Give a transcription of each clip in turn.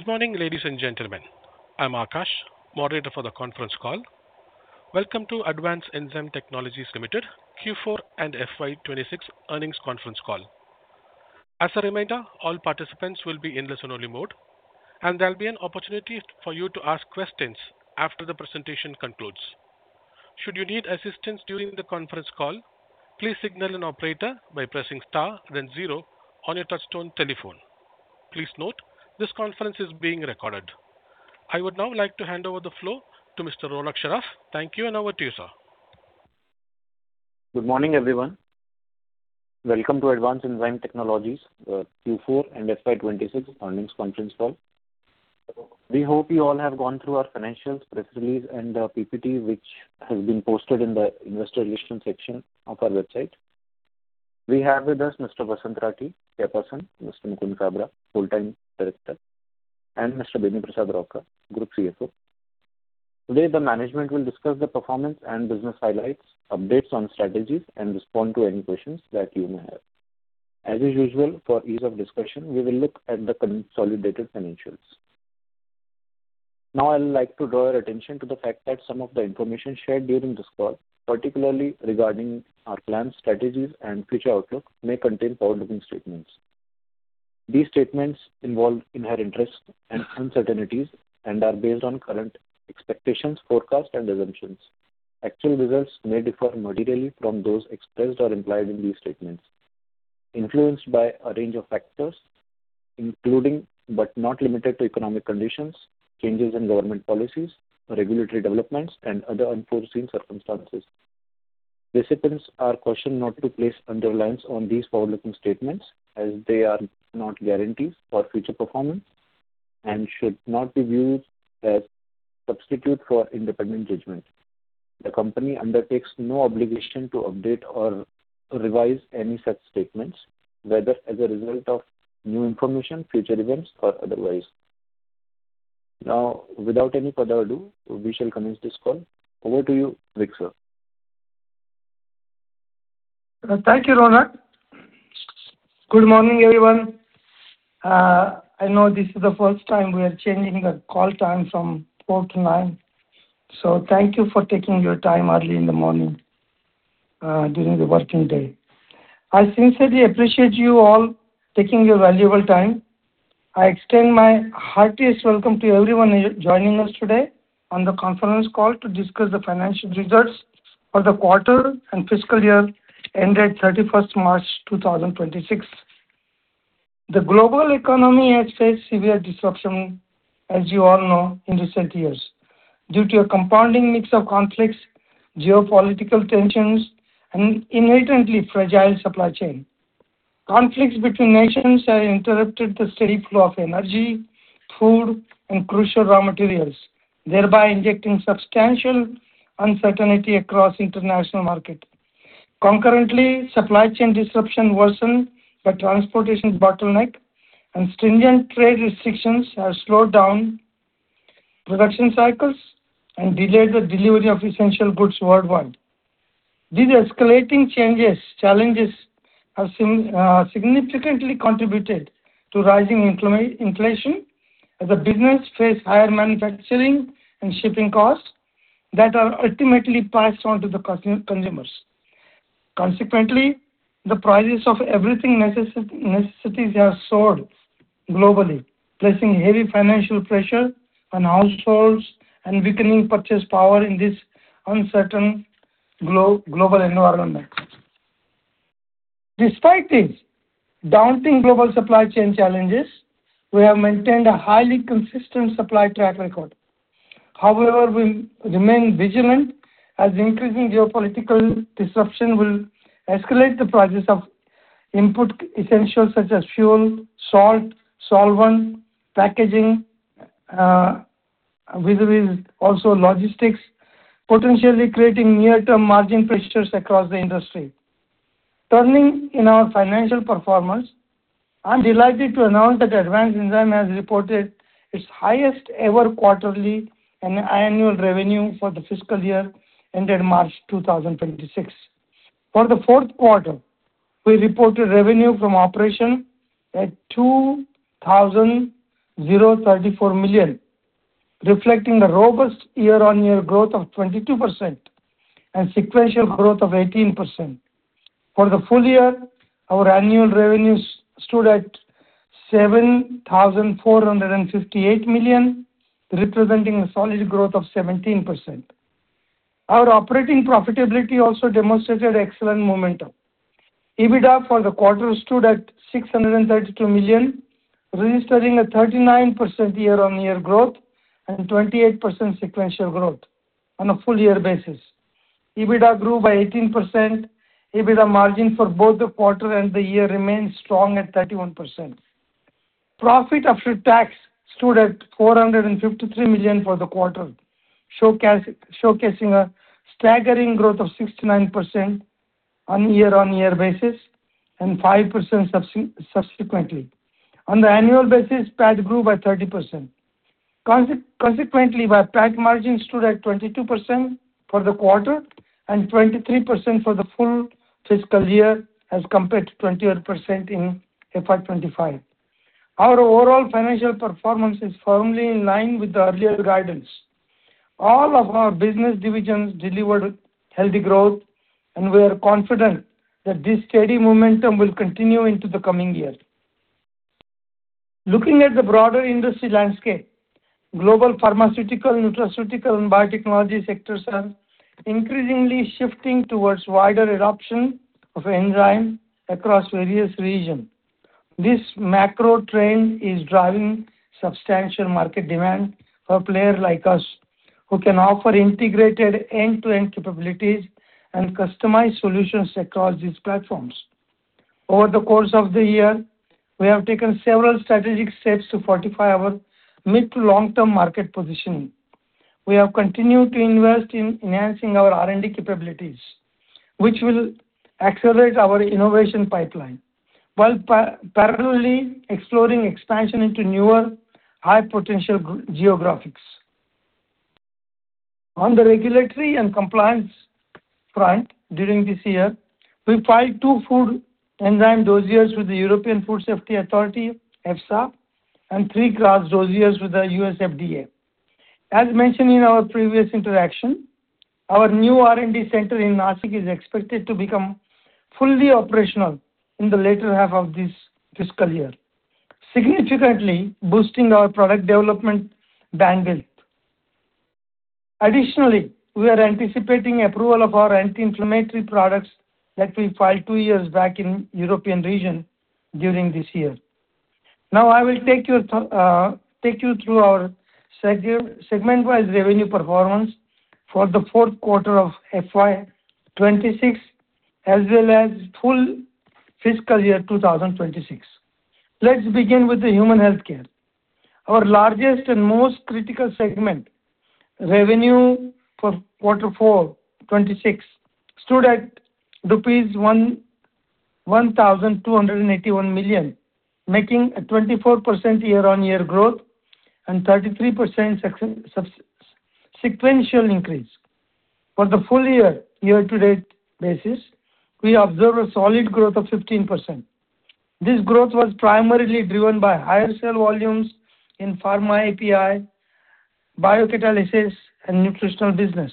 Good morning, ladies and gentlemen? I am Akash, moderator for the conference call. Welcome to Advanced Enzyme Technologies Limited Q4 and FY 2026 earnings conference call. As a reminder, all participants will be in listen only mode, there'll be an opportunity for you to ask questions after the presentation concludes. Should you need assistance during the conference call, please signal an operator by pressing star then zero on your touch-tone telephone. Please note, this conference is being recorded. I would now like to hand over the floor to Mr. Ronak Saraf. Thank you, over to you, sir. Good morning, everyone. Welcome to Advanced Enzyme Technologies, Q4 and FY 2026 earnings conference call. We hope you all have gone through our financials, press release and our PPT, which has been posted in the investor relations section of our website. We have with us Mr. Vasant Rathi, Chairperson, Mr. Mukund Kabra, Whole-time Director, and Mr. Beni Prasad Rauka, Group Chief Financial Officer. Today, the management will discuss the performance and business highlights, updates on strategies, and respond to any questions that you may have. As usual, for ease of discussion, we will look at the consolidated financials. Now I'd like to draw your attention to the fact that some of the information shared during this call, particularly regarding our plans, strategies and future outlook, may contain forward-looking statements. These statements involve inherent risks and uncertainties and are based on current expectations, forecasts and assumptions. Actual results may differ materially from those expressed or implied in these statements influenced by a range of factors, including but not limited to, economic conditions, changes in government policies, regulatory developments and other unforeseen circumstances. Participants are cautioned not to place reliance on these forward-looking statements as they are not guarantees for future performance and should not be viewed as substitute for independent judgment. The company undertakes no obligation to update or revise any such statements, whether as a result of new information, future events or otherwise. Now, without any further ado, we shall commence this call. Over to you, Rathi sir. Thank you, Ronak. Good morning, everyone. I know this is the first time we are changing a call time from 4:00 P.M. To 9:00 A.M., so thank you for taking your time early in the morning during the working day. I sincerely appreciate you all taking your valuable time. I extend my heartiest welcome to everyone joining us today on the conference call to discuss the financial results for the quarter and fiscal year ended March 31 2026. The global economy has faced severe disruption, as you all know, in recent years due to a compounding mix of conflicts, geopolitical tensions and inherently fragile supply chain. Conflicts between nations have interrupted the steady flow of energy, food, and crucial raw materials, thereby injecting substantial uncertainty across international market. Concurrently, supply chain disruption worsened the transportation bottleneck, and stringent trade restrictions have slowed down production cycles and delayed the delivery of essential goods worldwide. These escalating challenges have significantly contributed to rising inflation as businesses face higher manufacturing and shipping costs that are ultimately passed on to the consumers. Consequently, the prices of everything necessities have soared globally, placing heavy financial pressure on households and weakening purchase power in this uncertain global environment. Despite these daunting global supply chain challenges, we have maintained a highly consistent supply track record. However, we remain vigilant as increasing geopolitical disruption will escalate the prices of input essentials such as fuel, salt, solvent, packaging, vis-a-vis also logistics, potentially creating near-term margin pressures across the industry. Turning in our financial performance, I'm delighted to announce that Advanced Enzyme has reported its highest ever quarterly and annual revenue for the fiscal year ended March 2026. For the fourth quarter, we reported revenue from operation at 2,034 million, reflecting a robust year-on-year growth of 22% and sequential growth of 18%. For the full year, our annual revenues stood at 7,458 million, representing a solid growth of 17%. Our operating profitability also demonstrated excellent momentum. EBITDA for the quarter stood at 632 million, registering a 39% year-on-year growth and 28% sequential growth. On a full year basis, EBITDA grew by 18%. EBITDA margin for both the quarter and the year remains strong at 31%. Profit after tax stood at 453 million for the quarter, showcasing a staggering growth of 69% on year-on-year basis and 5% subsequently. On the annual basis, PAT grew by 30%. Consequently, our PAT margin stood at 22% for the quarter and 23% for the full fiscal year as compared to 20 odd percent in FY 2025. Our overall financial performance is firmly in line with the earlier guidance. All of our business divisions delivered healthy growth, and we are confident that this steady momentum will continue into the coming year. Looking at the broader industry landscape, global pharmaceutical, nutraceutical and biotechnology sectors are increasingly shifting towards wider adoption of enzyme across various region. This macro trend is driving substantial market demand for players like us, who can offer integrated end-to-end capabilities and customized solutions across these platforms. Over the course of the year, we have taken several strategic steps to fortify our mid-to-long-term market positioning. We have continued to invest in enhancing our R&D capabilities, which will accelerate our innovation pipeline, while parallelly exploring expansion into newer high potential geographics. On the regulatory and compliance front during this year, we filed two food enzyme dossiers with the European Food Safety Authority, EFSA, and three GRAS dossiers with the U.S. FDA. As mentioned in our previous interaction, our new R&D center in Nashik is expected to become fully operational in the latter half of this fiscal year, significantly boosting our product development bandwidth. Additionally, we are anticipating approval of our anti-inflammatory products that we filed two years back in European region during this year. Now I will take you through our segment-wise revenue performance for the fourth quarter of FY 2026 as well as full fiscal year 2026. Let's begin with the Human Healthcare. Our largest and most critical segment, revenue for quarter four 2026 stood at rupees 1,281 million, making a 24% year-on-year growth and 33% sequential increase. For the full year-to-date basis, we observe a solid growth of 15%. This growth was primarily driven by higher sale volumes in pharma API, Biocatalysis and nutritional business.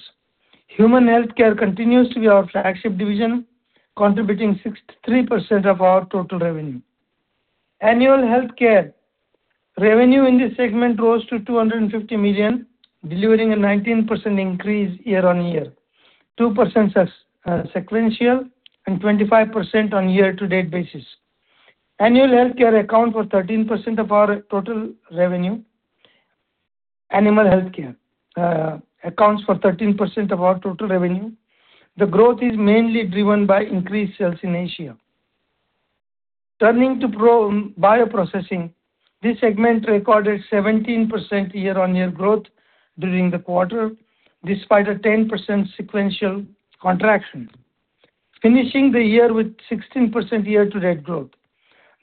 Human Healthcare continues to be our flagship division, contributing 63% of our total revenue. Annual Healthcare revenue in this segment rose to 250 million, delivering a 19% increase year-on-year, 2% sequential and 25% on year-to-date basis. Animal healthcare accounts for 13% of our total revenue. The growth is mainly driven by increased sales in Asia. Turning to bioprocessing, this segment recorded 17% year-on-year growth during the quarter, despite a 10% sequential contraction, finishing the year with 16% year-to-date growth.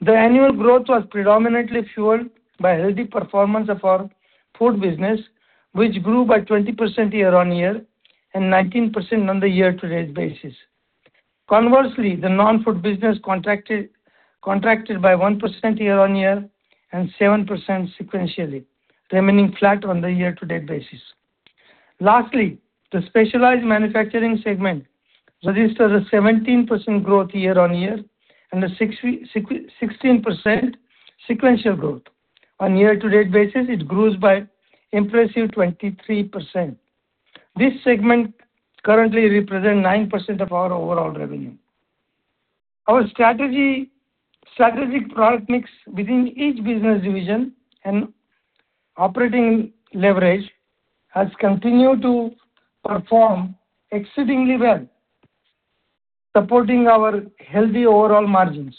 The annual growth was predominantly fueled by healthy performance of our food business, which grew by 20% year-on-year and 19% on the year-to-date basis. Conversely, the non-food business contracted by 1% year-on-year and 7% sequentially, remaining flat on the year-to-date basis. Lastly, the specialized manufacturing segment registered a 17% growth year-on-year and a 16% sequential growth. On year-to-date basis, it grows by impressive 23%. This segment currently represent 9% of our overall revenue. Our strategy, strategic product mix within each business division and operating leverage has continued to perform exceedingly well, supporting our healthy overall margins.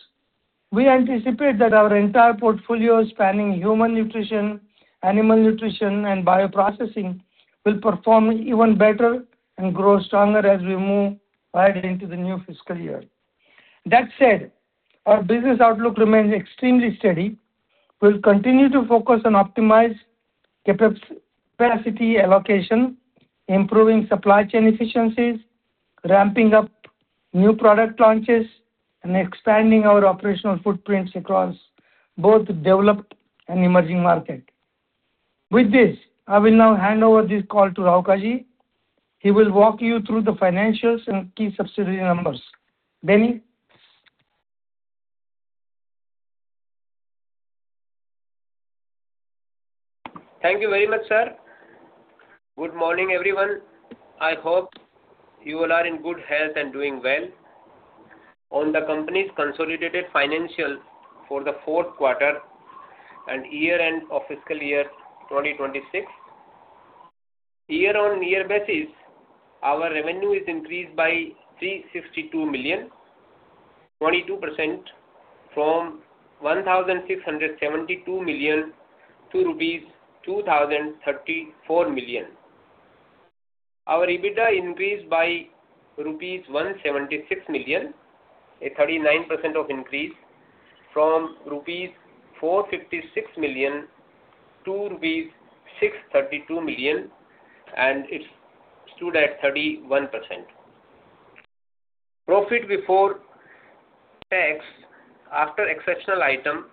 We anticipate that our entire portfolio spanning human nutrition, animal nutrition and bioprocessing will perform even better and grow stronger as we move right into the new fiscal year. That said, our business outlook remains extremely steady. We'll continue to focus on optimized capacity allocation, improving supply chain efficiencies, ramping up new product launches, and expanding our operational footprints across both developed and emerging market. With this, I will now hand over this call to Rauka ji. He will walk you through the financials and key subsidiary numbers. Beni? Thank you very much, sir. Good morning everyone? I hope you all are in good health and doing well. On the company's consolidated financial for the fourth quarter and year-end of fiscal year 2026, year-on-year basis, our revenue is increased by 362 million, 22% from 1,672 million to rupees 2,034 million. Our EBITDA increased by rupees 176 million, a 39% of increase from rupees 456 million to rupees 632 million, and it stood at 31%. Profit before tax after exceptional item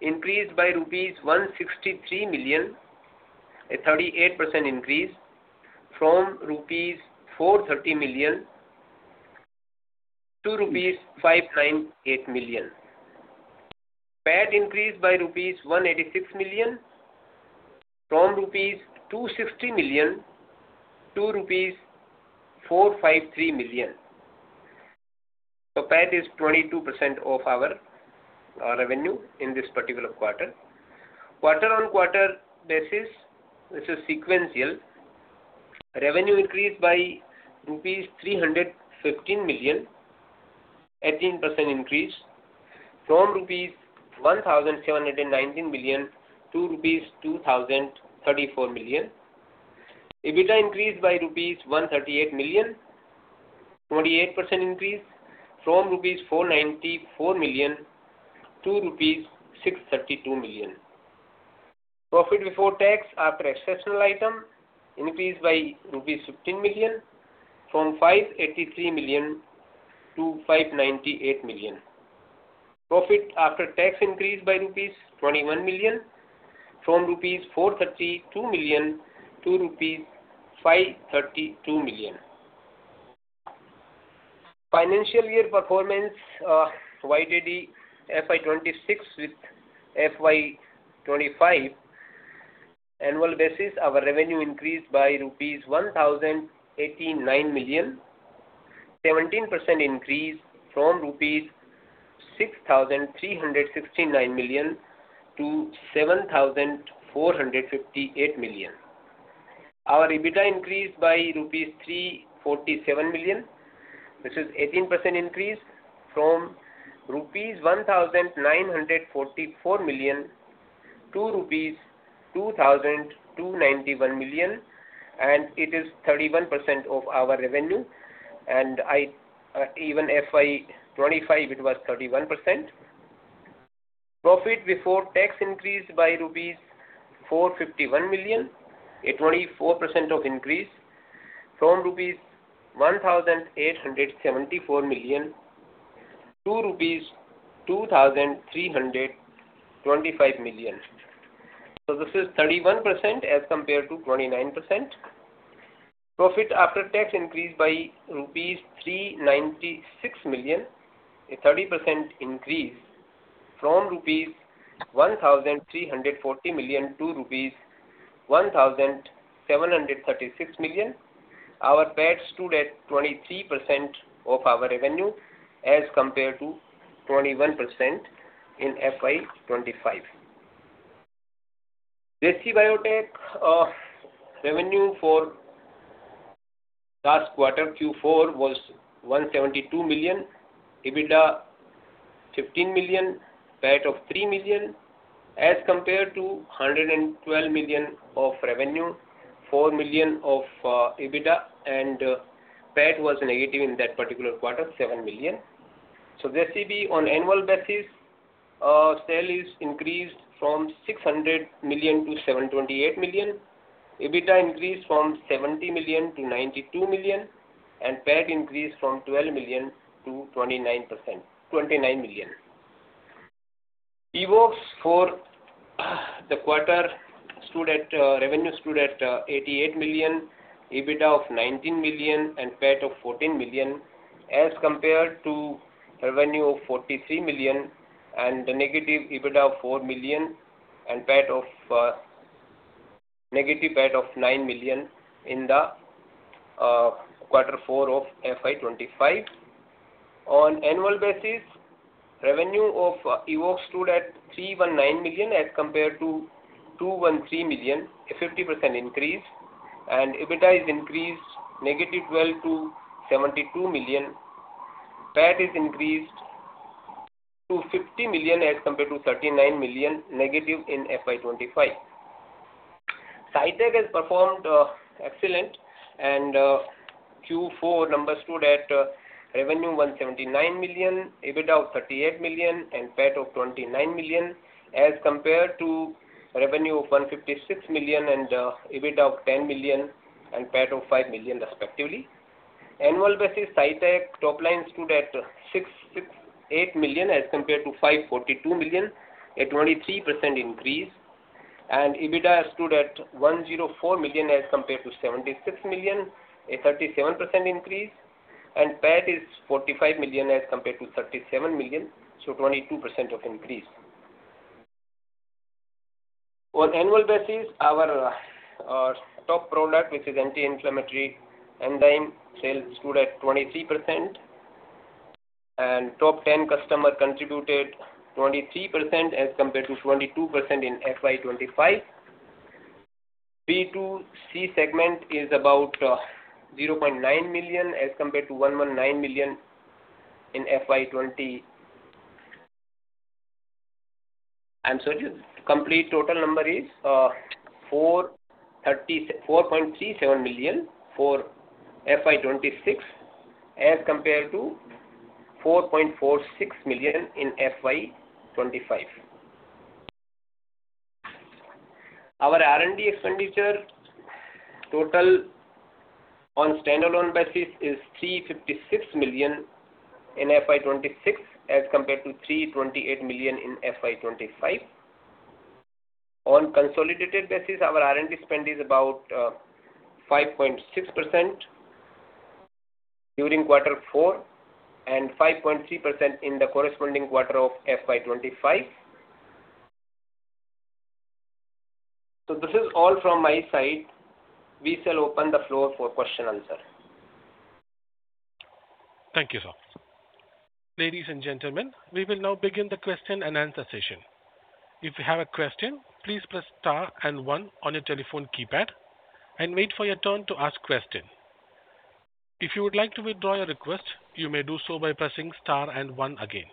increased by rupees 163 million, a 38% increase from rupees 430 million to rupees 598 million. PAT increased by rupees 186 million from rupees 260 million to rupees 453 million. PAT is 22% of our revenue in this particular quarter. Quarter-on-quarter basis, this is sequential. Revenue increased by rupees 315 million, 18% increase from rupees 1,719 million to rupees 2,034 million. EBITDA increased by rupees 138 million, 28% increase from rupees 494 million to rupees 632 million. Profit before tax after exceptional item increased by rupees 15 million, from 583 million to 598 million. Profit after tax increased by rupees 21 million, from rupees 432 million to rupees 532 million. Financial year performance, YTD FY 2026 with FY 2025. Annual basis, our revenue increased by rupees 1,089 million, 17% increase from rupees 6,369 million to 7,458 million. Our EBITDA increased by rupees 347 million, which is an 18% increase from rupees 1,944 million to rupees 2,291 million. It is 31% of our revenue. Even FY 2025, it was 31%. Profit before tax increased by rupees 451 million, a 24% of increase from rupees 1,874 million to rupees 2,325 million. This is 31% as compared to 29%. Profit after tax increased by rupees 396 million, a 30% increase from rupees 1,340 million to rupees 1,736 million. Our PAT stood at 23% of our revenue as compared to 21% in FY 2025. JC Biotech revenue for last quarter Q4 was 172 million, EBITDA 15 million, PAT of 3 million, as compared to 112 million of revenue, 4 million of EBITDA, and PAT was negative in that particular quarter, 7 million. JC Biotech on annual basis sale is increased from 600 million to 728 million. EBITDA increased from 70 million to 92 million, and PAT increased from 12 million to 29 million, evoxx for the quarter stood at revenue stood at 88 million, EBITDA of 19 million and PAT of 14 million, as compared to revenue of 43 million and a negative EBITDA of 4 million and PAT of negative PAT of 9 million in the quarter four of FY 2025. On annual basis, revenue of Evoxx stood at 319 million as compared to 213 million, a 50% increase. EBITDA is increased -12 million to 72 million. PAT is increased to 50 million as compared to -39 million in FY 2025. SciTech has performed excellent. Q4 numbers stood at revenue 179 million, EBITDA of 38 million, and PAT of 29 million, as compared to revenue of 156 million and EBITDA of 10 million and PAT of 5 million respectively. Annual basis, SciTech top line stood at 668 million as compared to 542 million, a 23% increase. EBITDA stood at 104 million as compared to 76 million, a 37% increase. PAT is 45 million as compared to 37 million, 22% of increase. On annual basis, our top product, which is anti-inflammatory enzyme, sales stood at 23%. Top 10 customer contributed 23% as compared to 22% in FY 2025. B2C segment is about 0.9 million as compared to 1.19 million in FY 2020. I'm sorry, Complete total number is 4.37 million for FY 2026 as compared to 4.46 million in FY 2025. Our R&D expenditure total on standalone basis is 356 million in FY 2026 as compared to 328 million in FY 2025. On consolidated basis, our R&D spend is about 5.6% during quarter four and 5.3% in the corresponding quarter of FY 2025. This is all from my side. We shall open the floor for question answer. Thank you, sir. Ladies and gentlemen, we will now begin the question-and-answer session. If you have a question, please press star one on your telephone keypad. Wait for your turn to ask question. If you would like to withdraw your request, you may do so by pressing star one again.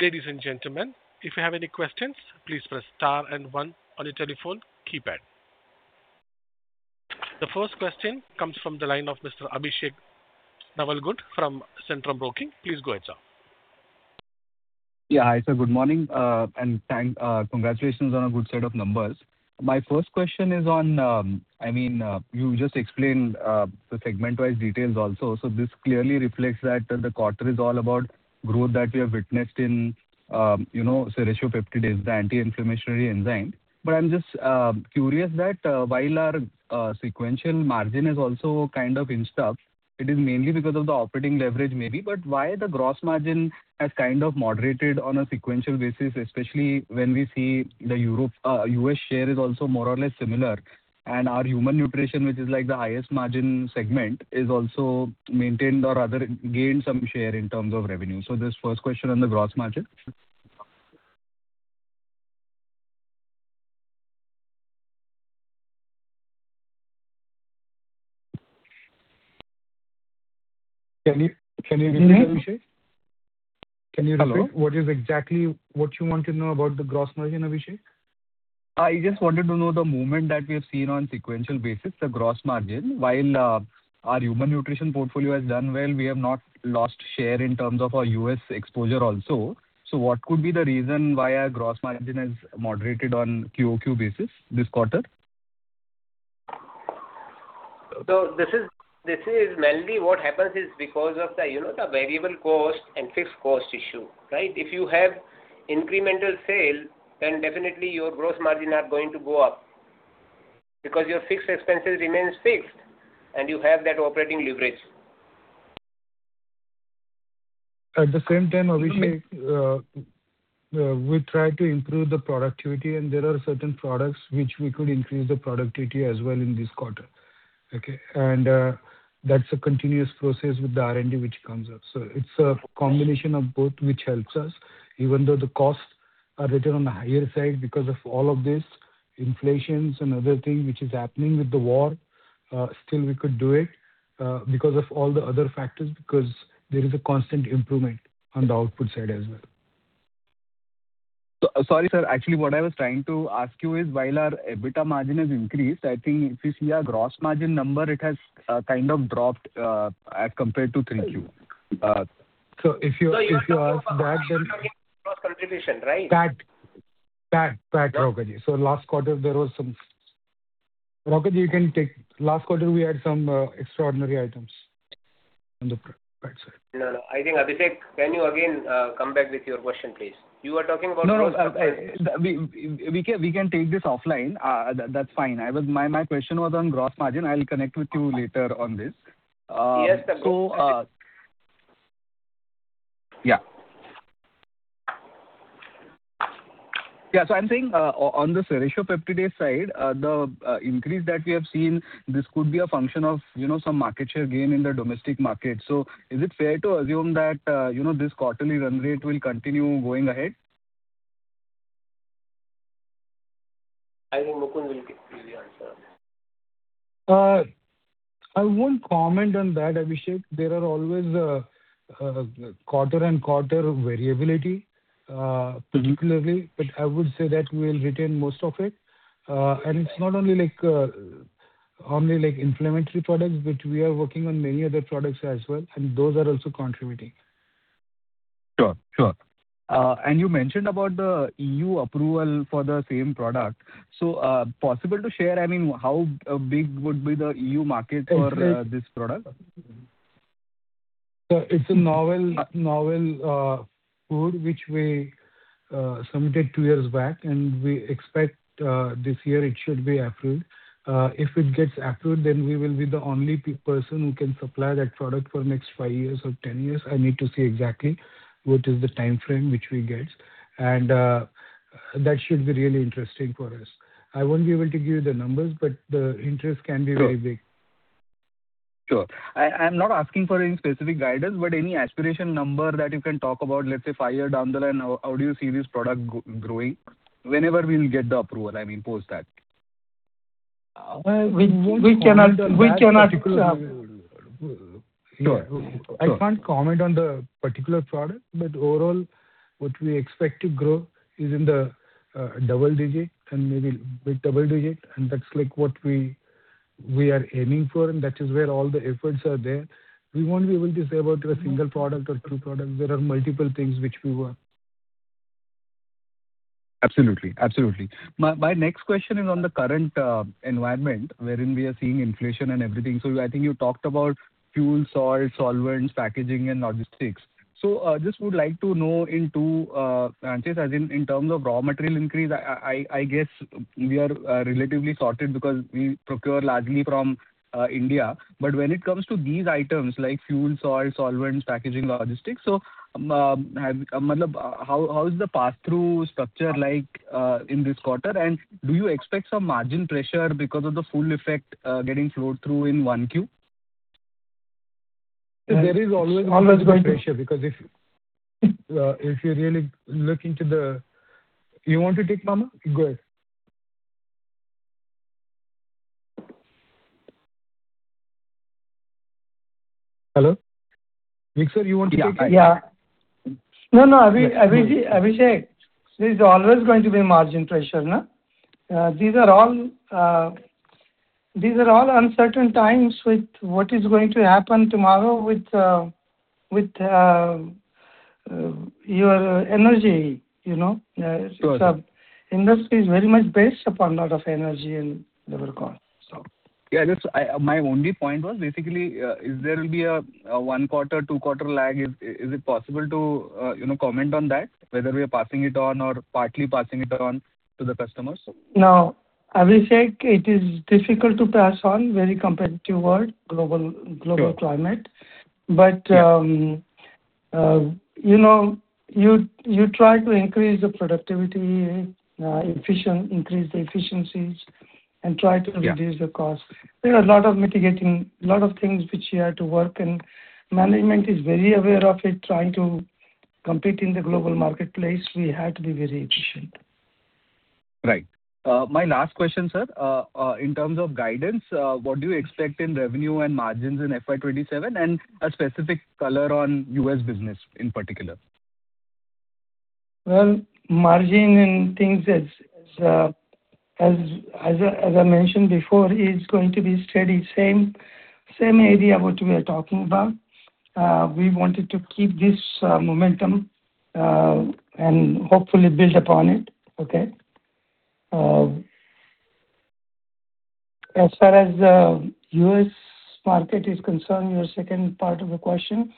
Ladies and gentlemen, if you have any questions, please press star one on your telephone keypad. The first question comes from the line of Mr. Abhishek Navalgund from Centrum Broking, please go ahead, sir. Hi, sir. Good morning? And thank. Congratulations on a good set of numbers. My first question is on, I mean, you just explained the segment-wise details also. This clearly reflects that the quarter is all about growth that we have witnessed in, you know, Serratiopeptidase, the anti-inflammatory enzyme. I'm just curious that while our sequential margin is also kind of inched up, it is mainly because of the operating leverage maybe, but why the gross margin has kind of moderated on a sequential basis, especially when we see the Europe, U.S. share is also more or less similar. Our human nutrition, which is like the highest margin segment, is also maintained or rather gained some share in terms of revenue. This first question on the gross margin. Can you repeat, Abhishek? Can you repeat what is exactly what you want to know about the gross margin, Abhishek? I just wanted to know the movement that we have seen on sequential basis, the gross margin. While our human nutrition portfolio has done well, we have not lost share in terms of our U.S. exposure also. What could be the reason why our gross margin has moderated on Q-o-Q basis this quarter? This is mainly what happens is because of the, you know, the variable cost and fixed cost issue, right? If you have incremental sale, definitely your gross margins are going to go up because your fixed expenses remain fixed and you have that operating leverage. At the same time, Abhishek, we try to improve the productivity and there are certain products which we could increase the productivity as well in this quarter. That's a continuous process with the R&D which comes up. It's a combination of both which helps us. Even though the costs are little on the higher side because of all of this inflations and other thing which is happening with the war, still we could do it because of all the other factors because there is a constant improvement on the output side as well. Sorry, sir. Actually, what I was trying to ask you is, while our EBITDA margin has increased, I think if you see our gross margin number, it has kind of dropped as compared to 3Q. If you ask that then. You are talking about margin or gross contribution, right? That, Rauka ji. Last quarter there was some, Rauka ji, you can take. Last quarter we had some extraordinary items on the price side. No, no. I think, Abhishek, can you again, come back with your question, please. You are talking about gross margin. No, no. We can take this offline. That's fine. My question was on gross margin. I'll connect with you later on this. Yes, sir. Yeah. I'm saying, on the Serratiopeptidase side, the increase that we have seen, this could be a function of, you know, some market share gain in the domestic market. Is it fair to assume that, you know, this quarterly run rate will continue going ahead? I think Mukund will give you the answer on that. I won't comment on that, Abhishek. There are always quarter-on-quarter variability, particularly, but I would say that we'll retain most of it. It's not only like inflammatory products, but we are working on many other products as well, and those are also contributing. Sure, sure. You mentioned about the EU approval for the same product. Possible to share, I mean, how big would be the EU market for this product? It's a novel food which we submitted two years back. We expect this year it should be approved. If it gets approved, then we will be the only person who can supply that product for next five years or 10 years. I need to see exactly what is the timeframe which we get. That should be really interesting for us. I won't be able to give you the numbers, but the interest can be very big. Sure. Sure. I'm not asking for any specific guidance, but any aspiration number that you can talk about, let's say five year down the line, how do you see this product growing? Whenever we'll get the approval, I mean, post that. We cannot. Sure. Sure. I can't comment on the particular product. Overall, what we expect to grow is in the double-digit and maybe mid-double-digit, and that's like what we are aiming for, and that is where all the efforts are there. We won't be able to say about a single product or two products. There are multiple things which we work. Absolutely. Absolutely. My next question is on the current environment wherein we are seeing inflation and everything. I think you talked about fuel, salt, solvents, packaging and logistics. Just would like to know into [finances], in terms of raw material increase, I guess we are relatively sorted because we procure largely from India. When it comes to these items like fuel, salt, solvents, packaging, logistics, How is the passthrough structure like in this quarter? Do you expect some margin pressure because of the full effect getting flowed through in 1Q? There is always going to be pressure because if you really look into the You want to take, Mama? Go ahead. Hello? Rathi, sir, you want to take? Yeah. No. Abhishek, there's always going to be margin pressure, no? These are all uncertain times with what is going to happen tomorrow with your energy, you know? Sure. This industry is very much based upon lot of energy and labor cost. Yeah, that's my only point was basically, there will be a one-quarter, two-quarter lag. Is it possible to, you know, comment on that, whether we are passing it on or partly passing it on to the customers? No. Abhishek, it is difficult to pass on very competitive world global climate. You know, you try to increase the productivity, increase the efficiencies reduce the cost. There are a lot of mitigating, lot of things which you have to work. Management is very aware of it. Trying to compete in the global marketplace, we have to be very efficient. Right. My last question, sir. In terms of guidance, what do you expect in revenue and margins in FY 2027, and a specific color on U.S. business in particular? Well, margin and things as I mentioned before, is going to be steady. Same area what we are talking about. We wanted to keep this momentum and hopefully build upon it. Okay. As far as the U.S. market is concerned, your second part of the question,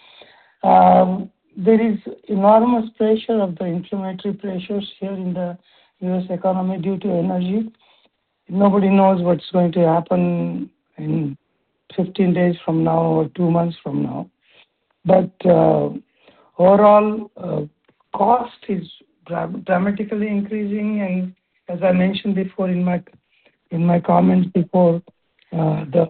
there is enormous pressure of the inflationary pressures here in the U.S. economy due to energy. Nobody knows what's going to happen in 15 days from now or 2 months from now. Overall, cost is dramatically increasing. As I mentioned before in my comments before, the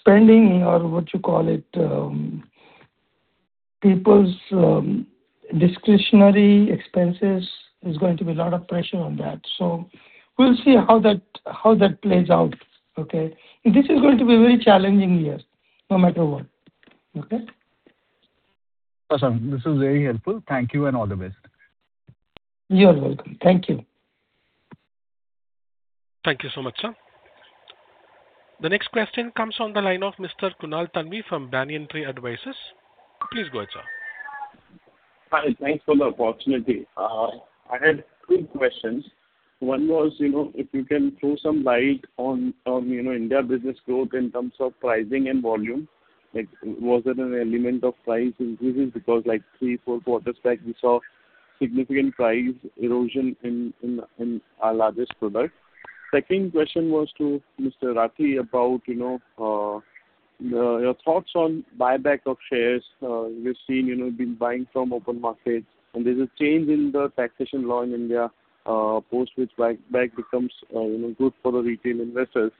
spending or what you call it, people's discretionary expenses, there's going to be a lot of pressure on that. We'll see how that plays out. Okay. This is going to be a very challenging year no matter what. Okay? Awesome. This is very helpful. Thank you and all the best. You are welcome. Thank you. Thank you so much, sir. The next question comes on the line of Mr. Kunal Thanvi from Banyan Tree Advisors, please go ahead, sir. Hi. Thanks for the opportunity. I had two questions. One was, you know, if you can throw some light on, you know, India business growth in terms of pricing and volume. Like, was there an element of price increases? Because like three, four quarters back, we saw significant price erosion in our largest product. Second question was to Mr. Rathi about, you know, your thoughts on buyback of shares. We've seen, you know, been buying from open markets and there's a change in the taxation law in India, post which buy becomes, you know, good for the retail investors.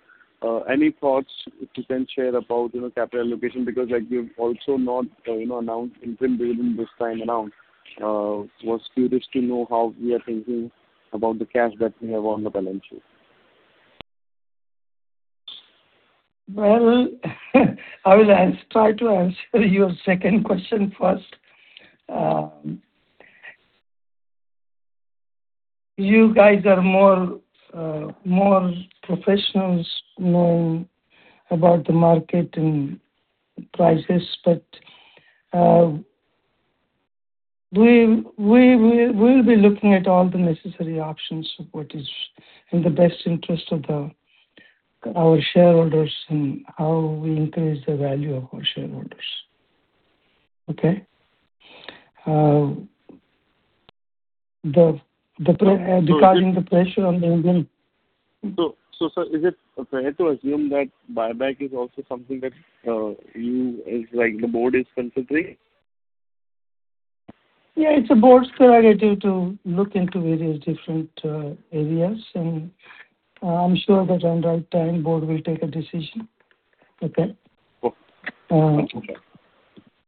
Any thoughts you can share about, you know, capital allocation? Because like we've also not, you know, announced interim dividend this time around. Was curious to know how we are thinking about the cash that we have on the balance sheet. Well, I will try to answer your second question first. You guys are more professionals knowing about the market and prices. But we'll be looking at all the necessary options of what is in the best interest of our shareholders and how we increase the value of our shareholders. Okay. Regarding the question on the enzyme... Sir, is it fair to assume that buyback is also something that the board is considering? Yeah. It's the board's prerogative to look into various different areas. I'm sure that in right time board will take a decision. Okay. Okay.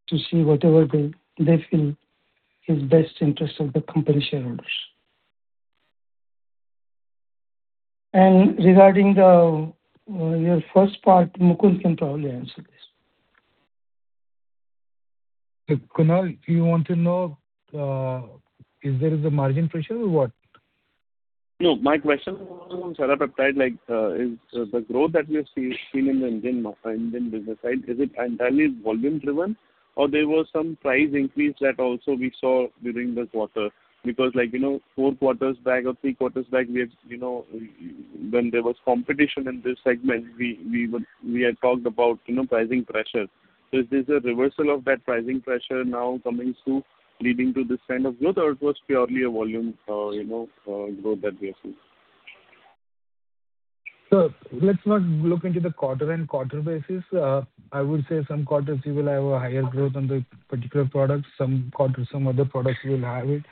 To see whatever they feel is best interest of the company shareholders. Regarding the, your first part, Mukund can probably answer this. Kunal, you want to know, is there is a margin pressure or what? No, my question on Serratiopeptidase, like, is the growth that we've seen in the Indian business side, is it entirely volume driven or there was some price increase that also we saw during this quarter? Like, you know, four quarters back or three quarters back we have, you know, when there was competition in this segment, we would we had talked about, you know, pricing pressure. Is this a reversal of that pricing pressure now coming through, leading to this kind of growth, or it was purely a volume, you know, growth that we have seen? Let's not look into the quarter-and-quarter basis. I would say some quarters you will have a higher growth on the particular products, some quarters some other products will have it.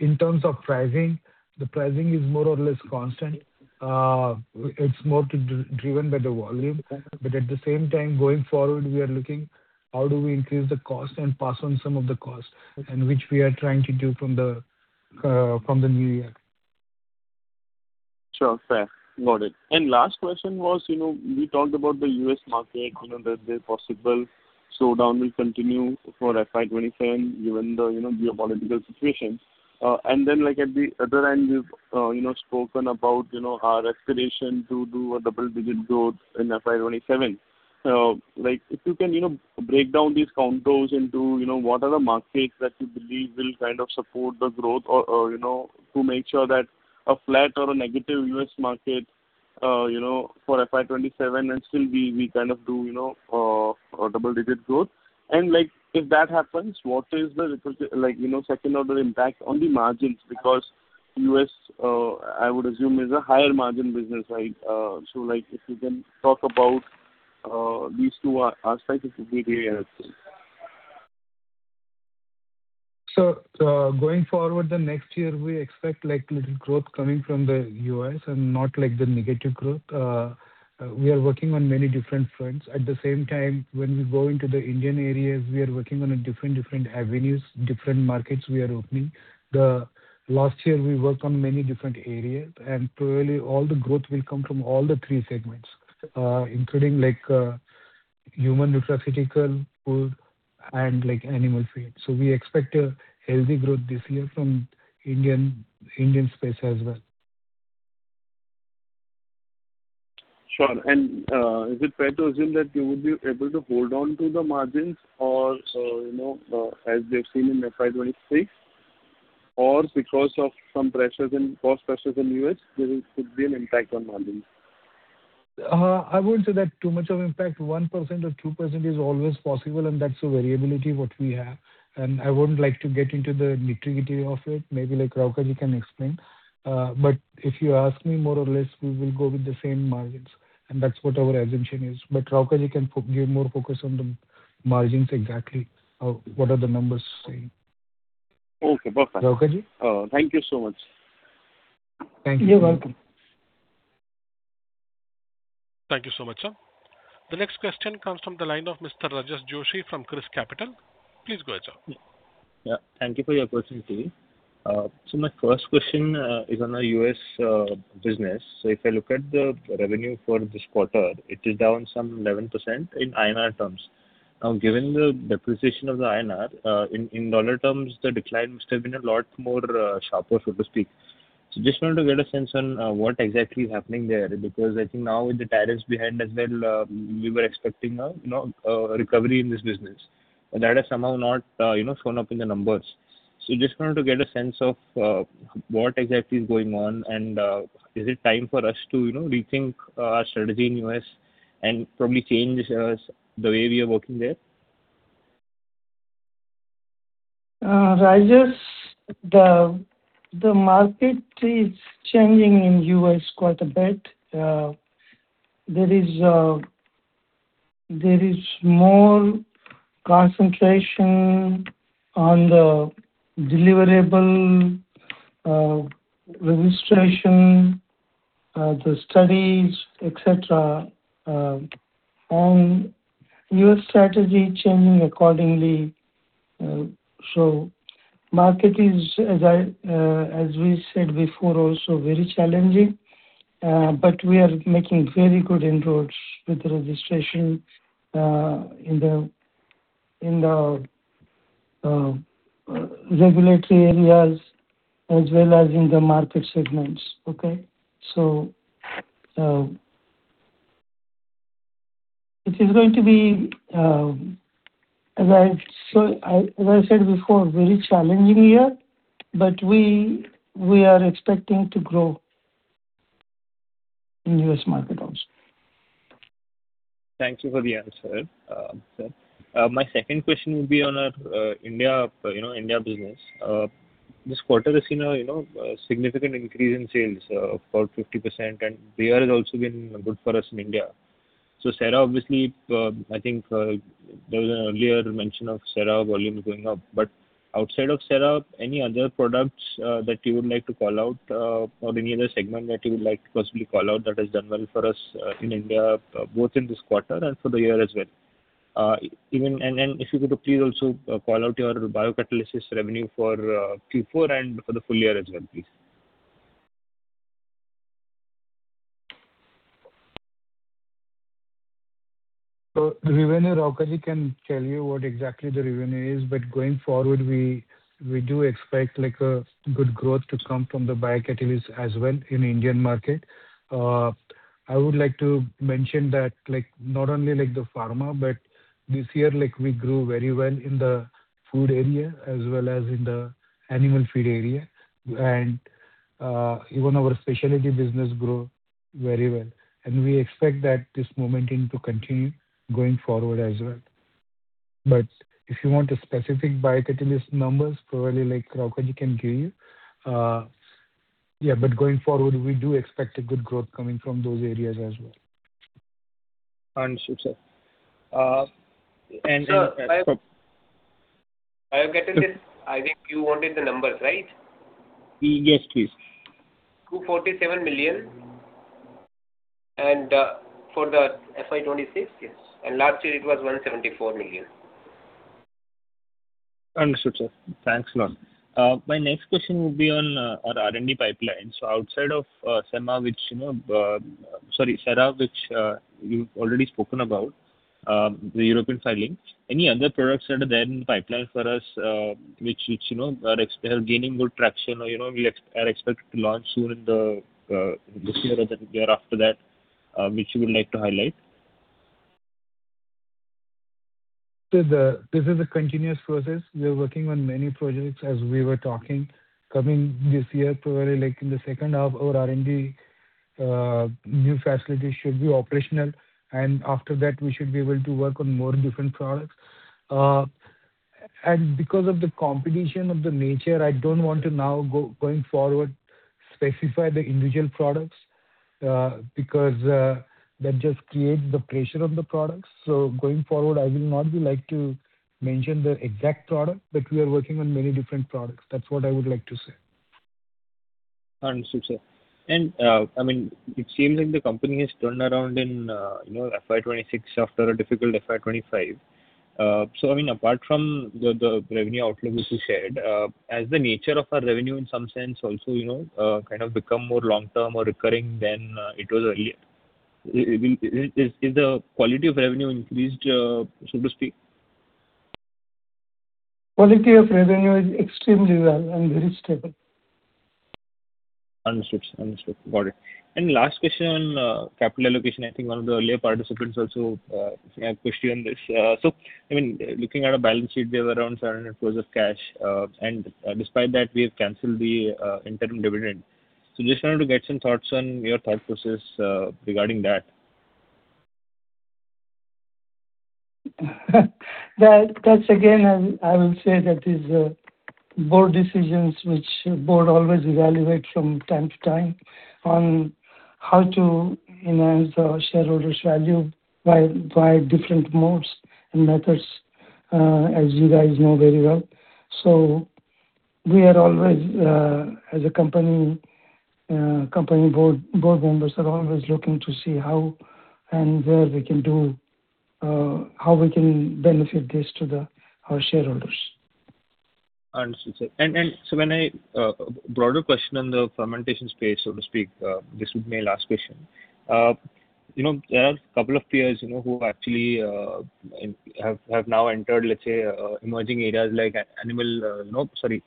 In terms of pricing, the pricing is more or less constant. It's more driven by the volume. At the same time, going forward, we are looking how do we increase the cost and pass on some of the cost, and which we are trying to do from the new year. Sure. Fair. Got it. Last question was, you know, we talked about the U.S. market, you know, that the possible slowdown will continue for FY 2027 given the, you know, geopolitical situation. Like, at the other end you've, you know, spoken about, you know, our aspiration to do a double-digit growth in FY 2027. Like if you can, you know, break down these contours into, you know, what are the markets that you believe will kind of support the growth or, you know, to make sure that a flat or a negative U.S. market, you know, for FY 2027 and still we kind of do, you know, a double-digit growth. Like if that happens, what is the like, you know, second order impact on the margins because U.S., I would assume is a higher margin business, right? Like if you can talk about these two aspects, it would be great, I think. Going forward the next year we expect like little growth coming from the U.S. and not like the negative growth. We are working on many different fronts. At the same time, when we go into the Indian areas, we are working on different avenues, different markets we are opening. Last year we worked on many different areas, and probably all the growth will come from all the three segments, including like human nutraceutical food and like animal feed. We expect a healthy growth this year from Indian space as well. Sure. Is it fair to assume that you would be able to hold on to the margins or, you know, as we have seen in FY 2026, or because of some pressures in cost pressures in U.S., there could be an impact on margins? I wouldn't say that too much of impact. 1% or 2% is always possible, and that's the variability what we have, and I wouldn't like to get into the nitty-gritty of it. Maybe like Rauka ji can explain. If you ask me, more or less we will go with the same margins, and that's what our assumption is. Rauka ji can give more focus on the margins exactly, what are the numbers saying. Okay. Perfect. Rauka ji? Thank you so much. Thank you. You're welcome. Thank you so much, sir. The next question comes from the line of Mr. Rajas Joshi from ChrysCapital, please go ahead, sir. Yeah. Thank you for your question, team. My first question is on our U.S. business. If I look at the revenue for this quarter, it is down some 11% in INR terms. Now, given the depreciation of the INR, in dollar terms, the decline must have been a lot more sharper, so to speak. Just wanted to get a sense on what exactly is happening there, because I think now with the tariffs behind us, well, we were expecting a, you know, a recovery in this business. That has somehow not, you know, shown up in the numbers. Just wanted to get a sense of, what exactly is going on and, is it time for us to, you know, rethink our strategy in U.S. and probably change the way we are working there? Rajas, the market is changing in U.S. quite a bit. There is more concentration on the deliverable, registration, the studies, et cetera, on U.S. strategy changing accordingly. Market is as we said before also very challenging, but we are making very good inroads with registration in the regulatory areas as well as in the market segments. Okay? It is going to be as I said before, a very challenging year, but we are expecting to grow in U.S. market also. Thank you for the answer. My second question would be on our India business. This quarter has seen a significant increase in sales, about 50%, and EBITDA has also been good for us in India. Serra obviously, I think, there was an earlier mention of Serra volume going up. Outside of Sera, any other products that you would like to call out, or any other segment that you would like to possibly call out that has done well for us in India both in this quarter and for the year as well? If you could, please also call out your Biocatalysis revenue for Q4 and for the full year as well, please. The revenue, Rauka ji can tell you what exactly the revenue is, but going forward, we do expect a good growth to come from the biocatalysts as well in Indian market. I would like to mention that not only the pharma, but this year, we grew very well in the food area as well as in the animal feed area. Even our specialty business grew very well. We expect that this momentum to continue going forward as well. If you want a specific biocatalyst numbers, probably Rauka ji can give you. Yeah, going forward, we do expect a good growth coming from those areas as well. Understood, sir. Sir, I have. Sir. I have gotten it. I think you wanted the numbers, right? Yes, please. INR 247 million and, for the FY 2026, yes. Last year it was INR 174 million. Understood, sir. Thanks a lot. My next question will be on our R&D pipeline. Outside of Sera, which you've already spoken about the European filing. Any other products that are there in the pipeline for us, which you know are gaining more traction or, you know, we are expected to launch soon in the this year or the year after that, which you would like to highlight? This is a continuous process. We are working on many projects as we were talking. Coming this year, probably like in the second half, our R&D new facility should be operational, and after that we should be able to work on more different products. Because of the competition of the nature, I don't want to now going forward, specify the individual products, because that just creates the pressure of the products. Going forward, I will not be like to mention the exact product, but we are working on many different products. That's what I would like to say. Understood, sir. I mean, it seems like the company has turned around in, you know, FY 2026 after a difficult FY 2025. I mean, apart from the revenue outlook which you shared, has the nature of our revenue in some sense also, you know, kind of become more long-term or recurring than it was earlier? I mean, is the quality of revenue increased, so to speak? Quality of revenue is extremely well and very stable. Understood, sir. Understood. Got it. Last question on capital allocation. I think one of the earlier participants also had questioned this. I mean, looking at our balance sheet, we have around 700 crores of cash. Despite that we have canceled the interim dividend. Just wanted to get some thoughts on your thought process regarding that. That's again, I will say that is board decisions which board always evaluate from time to time on how to enhance our shareholders' value by different modes and methods, as you guys know very well. We are always as a company board members are always looking to see how and where we can do, how we can benefit this to the, our shareholders. Understood, sir. When I, broader question on the fermentation space, so to speak, this would be my last question. You know, there are a couple of peers, you know, who actually have now entered, let's say, emerging areas like animal, no, sorry,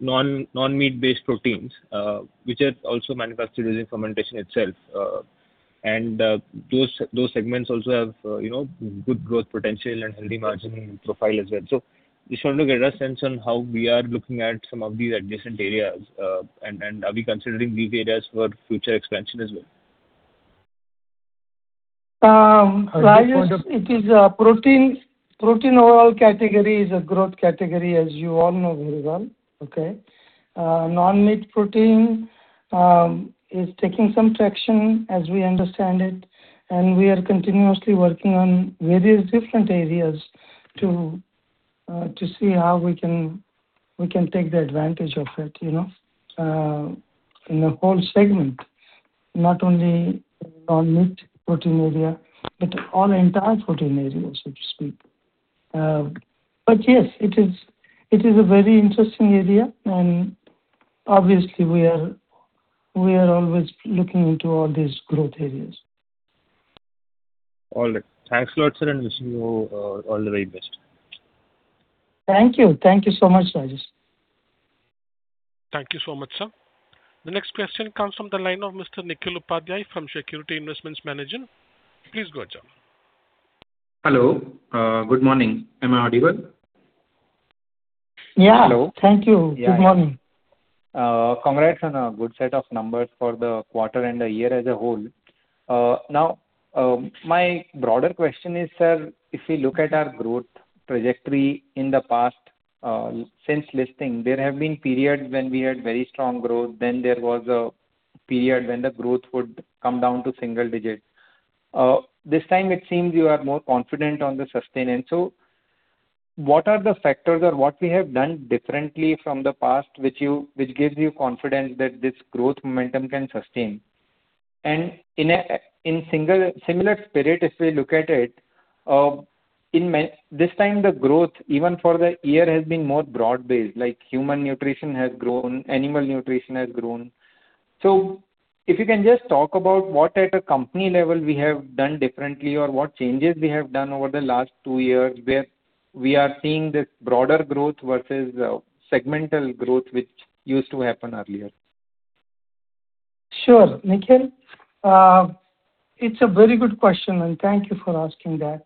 non-meat based proteins, which are also manufactured using fermentation itself. Those segments also have, you know, good growth potential and healthy margin profile as well. Just wanted to get a sense on how we are looking at some of these adjacent areas. Are we considering these areas for future expansion as well? Rajas, it is protein, overall category is a growth category as you all know very well. Okay? Non-meat protein is taking some traction as we understand it, and we are continuously working on various different areas to see how we can take the advantage of it, you know, in the whole segment, not only non-meat protein area, all entire protein area, so to speak. Yes, it is a very interesting area and obviously we are always looking into all these growth areas. All right. Thanks a lot, sir, and wishing you, all the very best. Thank you. Thank you so much, Rajas. Thank you so much, sir. The next question comes from the line of Mr. Nikhil Upadhyay from Securities Investment Management, please go ahead, sir. Hello. Good morning? Am I audible? Yeah. Hello. Thank you. Yeah. Good morning. Congrats on a good set of numbers for the quarter and the year as a whole. Now, my broader question is, sir, if we look at our growth trajectory in the past, since listing, there have been periods when we had very strong growth, then there was a period when the growth would come down to single digit. This time it seems you are more confident on the sustain. What are the factors or what we have done differently from the past which gives you confidence that this growth momentum can sustain? In a similar spirit, if we look at it, this time the growth, even for the year has been more broad-based, like human nutrition has grown, animal nutrition has grown. If you can just talk about what at a company level we have done differently or what changes we have done over the last two years where we are seeing this broader growth versus segmental growth which used to happen earlier. Sure, Nikhil. It's a very good question, and thank you for asking that.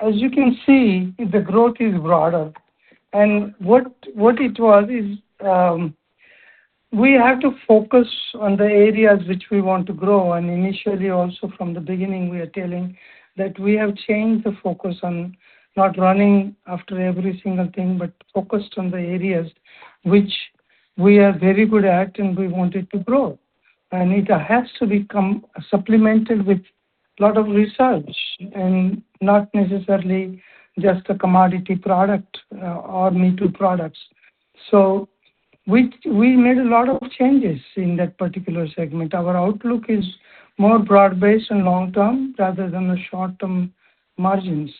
As you can see, the growth is broader and what it was is, we have to focus on the areas which we want to grow. Initially also from the beginning, we are telling that we have changed the focus on not running after every single thing, but focused on the areas which we are very good at and we want it to grow. It has to become supplemented with lot of research and not necessarily just a commodity product or me-too products. We made a lot of changes in that particular segment. Our outlook is more broad-based and long-term rather than the short-term margins.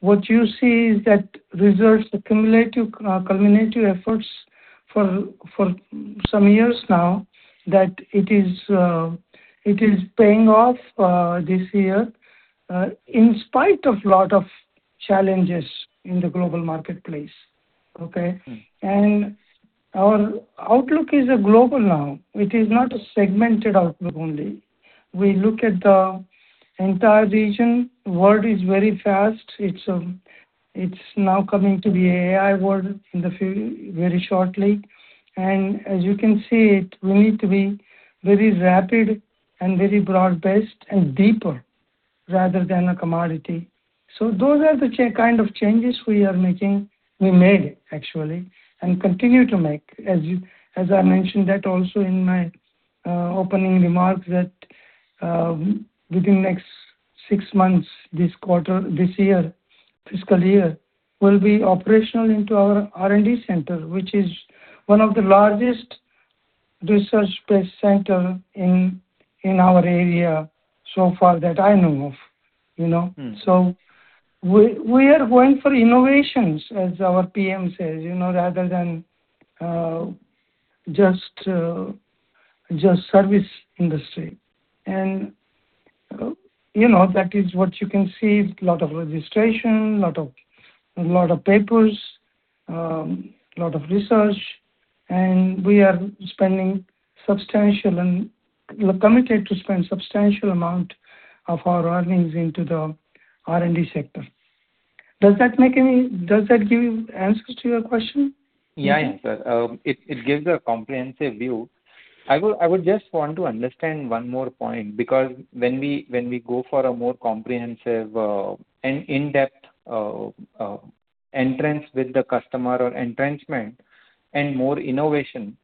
What you see is that results, the cumulative cumulative efforts for some years now that it is it is paying off this year in spite of lot of challenges in the global marketplace. Okay. Our outlook is global now. It is not a segmented outlook only. We look at the entire region. World is very fast. It's, it's now coming to the AI world in very shortly. As you can see, we need to be very rapid and very broad-based and deeper rather than a commodity. Those are the kind of changes we are making. We made actually, and continue to make. As I mentioned that also in my opening remarks that within next six months, this quarter, this year, fiscal year, we'll be operational into our R&D center, which is one of the largest research-based center in our area so far that I know of, you know. We are going for innovations, as our PM says, you know, rather than just service industry. you know, that is what you can see, lot of registration, lot of papers, lot of research. We are spending substantial and, well, committed to spend substantial amount of our earnings into the R&D sector. Does that give you answers to your question? Yeah, yeah, sir. It gives a comprehensive view. I would just want to understand one more point because when we go for a more comprehensive, an in-depth, entrance with the customer or entrancement and more innovation,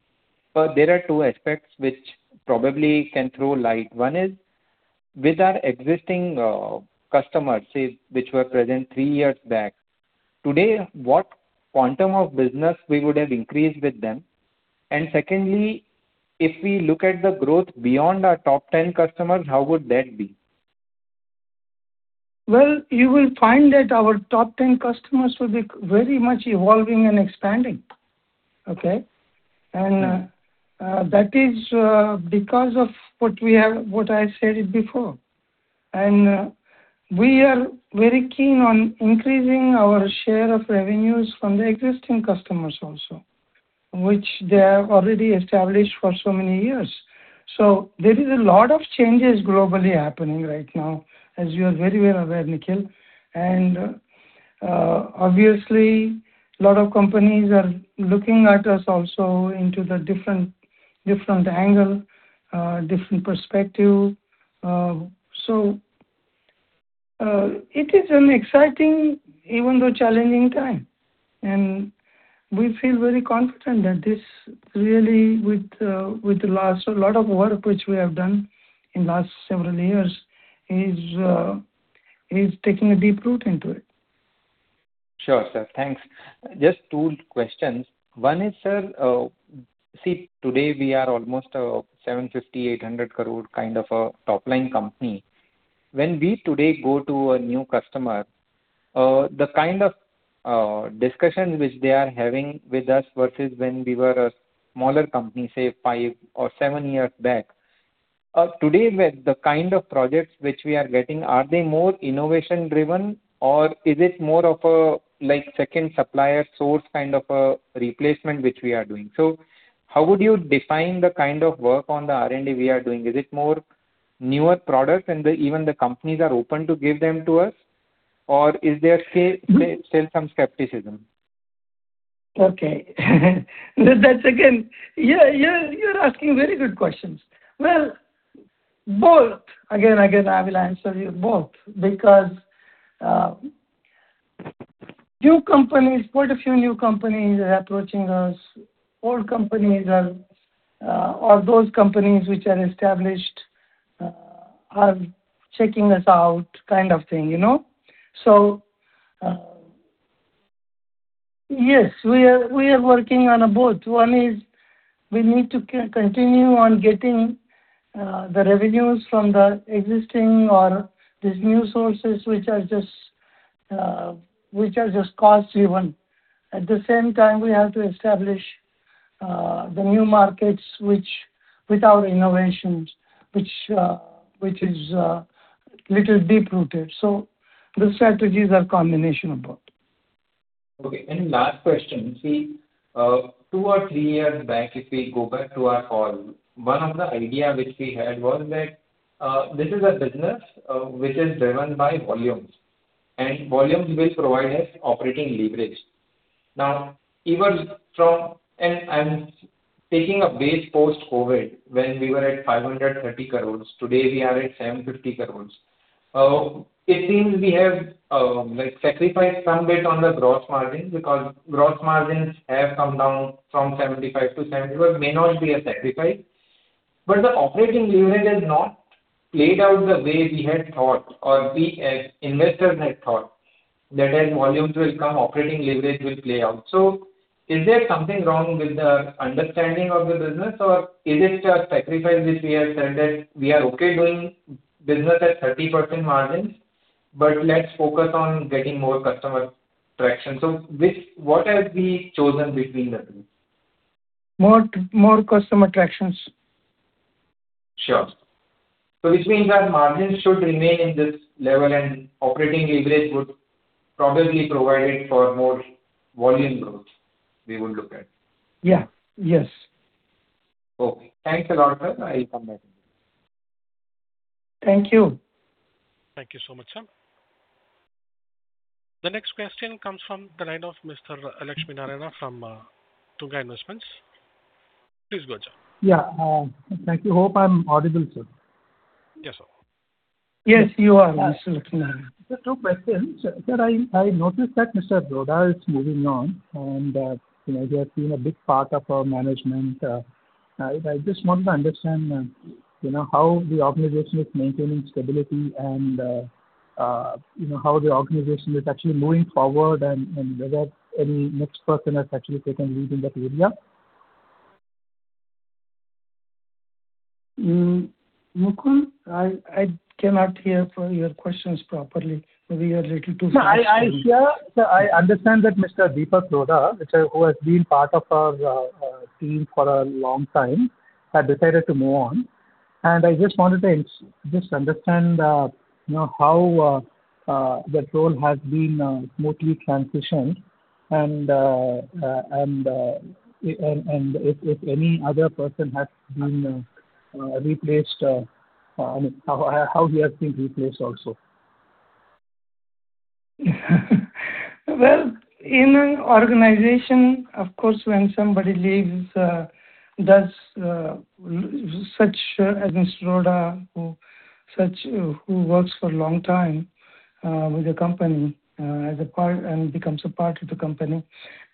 there are two aspects which probably can throw light. One is with our existing customers, say, which were present three years back, today, what quantum of business we would have increased with them? Secondly, if we look at the growth beyond our top 10 customers, how would that be? Well, you will find that our top 10 customers will be very much evolving and expanding. Okay? That is because of what I said it before. We are very keen on increasing our share of revenues from the existing customers also, which they have already established for so many years. There is a lot of changes globally happening right now, as you are very well aware, Nikhil. Obviously, lot of companies are looking at us also into the different angle, different perspective. It is an exciting, even though challenging time. We feel very confident that this really with the last lot of work which we have done in last several years is taking a deep root into it. Sure, sir. Thanks. Just two questions. One is, sir, see, today we are almost 750 crore-800 crore kind of a top-line company. When we today go to a new customer, the kind of discussion which they are having with us versus when we were a smaller company, say five or seven years back, today with the kind of projects which we are getting, are they more innovation-driven or is it more of a, like, second supplier source kind of a replacement which we are doing? How would you define the kind of work on the R&D we are doing? Is it more newer products and even the companies are open to give them to us or is there still some skepticism? That's You are asking very good questions. Both. Again, I will answer you both because new companies, quite a few new companies are approaching us. Old companies are or those companies which are established are checking us out kind of thing, you know. Yes, we are working on both. One is we need to continue on getting the revenues from the existing or these new sources, which are just which are just cost-driven. At the same time, we have to establish the new markets which, with our innovations, which which is little deep-rooted. The strategies are combination of both. Okay. Last question. Two or three years back, if we go back to our call, one of the idea which we had was that this is a business which is driven by volumes, and volumes will provide us operating leverage. Even from I'm taking a base post-COVID, when we were at 530 crores. Today, we are at 750 crores. It seems we have, like, sacrificed some bit on the gross margins because gross margins have come down from 75% to 70%. Well, it may not be a sacrifice. The operating leverage has not played out the way we had thought or we as investors had thought that as volumes will come, operating leverage will play out. Is there something wrong with the understanding of the business, or is it a sacrifice which we have said that we are okay doing business at 30% margins, but let's focus on getting more customer traction? What have we chosen between the two? More customer tractions. Sure. Which means that margins should remain in this level, and operating leverage would probably provide it for more volume growth, we would look at? Yeah. Yes. Okay. Thanks a lot, sir. I'll come back. Thank you. Thank you so much, sir. The next question comes from the line of Mr. Lakshminarayanan from Tunga Investments. Please go ahead, sir. Yeah. Thank you. Hope I'm audible, sir? Yes, you are, Mr. Lakshminarayanan. There are two questions. Sir, I noticed that Mr. Roda is moving on, and, you know, he has been a big part of our management. I just wanted to understand, you know, how the organization is maintaining stability and, you know, how the organization is actually moving forward and whether any next person has actually taken lead in that area. [inaudible] I cannot hear from your questions properly. Maybe you are little too soft. No, I hear. I understand that Mr. Dipak Roda, who has been part of our team for a long time, had decided to move on. I just wanted to just understand, you know, how that role has been smoothly transitioned and if any other person has been replaced, I mean, how he has been replaced also. Well, in an organization, of course, when somebody leaves, that's such as Mr. Roda who works for a long time with the company as a part and becomes a part of the company,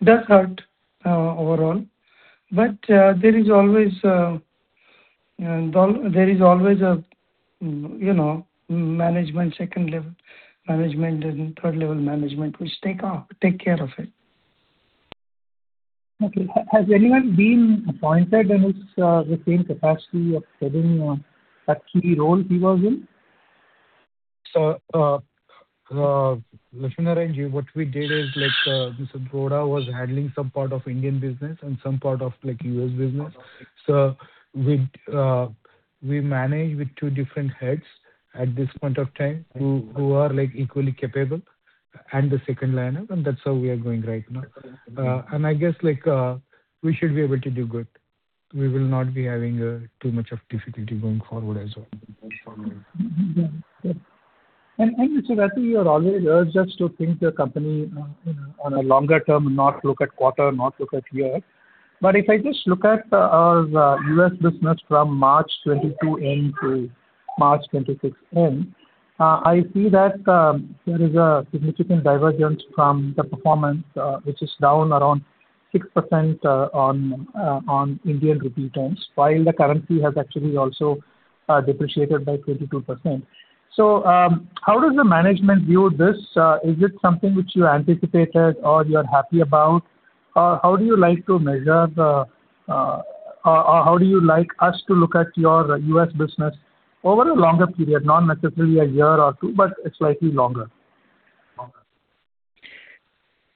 it does hurt overall. There is always, you know, management, second level management and third level management which take care of it. Okay. Has anyone been appointed in his the same capacity of getting that key role he was in? Lakshminarayanan, what we did is, Mr. Roda was handling some part of Indian business and some part of U.S. business. We'd, we manage with two different heads at this point of time who are equally capable. That's how we are going right now. I guess, we should be able to do good. We will not be having too much of difficulty going forward as well. Mm-hmm. Yeah. Sure. Mr. Rathi, you're always urge us to think your company, you know, on a longer term, not look at quarter, not look at year. If I just look at U.S. business from March 2022-end to March 2026-end, I see that there is a significant divergence from the performance, which is down around 6%, on Indian rupee terms, while the currency has actually also depreciated by 22%. How does the management view this? Is it something which you anticipated or you're happy about? How do you like us to look at your U.S. business over a longer period, not necessarily a year or two, but slightly longer?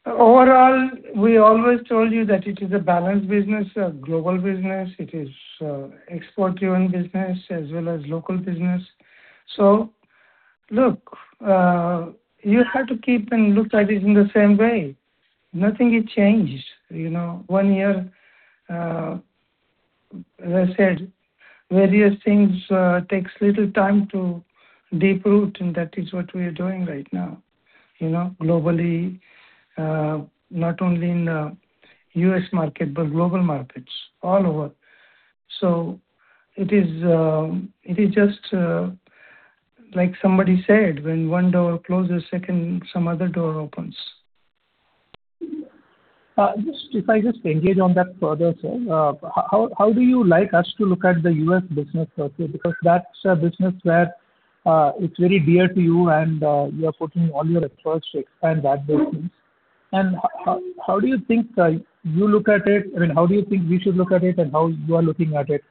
Overall, we always told you that it is a balanced business, a global business. It is export-driven business as well as local business. Look, you have to keep and look at it in the same way. Nothing, it changed, you know. One year, as I said, various things, takes little time to deep root, and that is what we are doing right now, you know, globally, not only in the U.S. market, but global markets all over. It is, it is just, like somebody said, when one door closes, second, some other door opens. Just if I just engage on that further, sir. How do you like us to look at the U.S. business sector? Because that's a business where it's very dear to you and you are putting all your efforts to expand that business. How do you think you look at it? I mean, how do you think we should look at it and how you are looking at it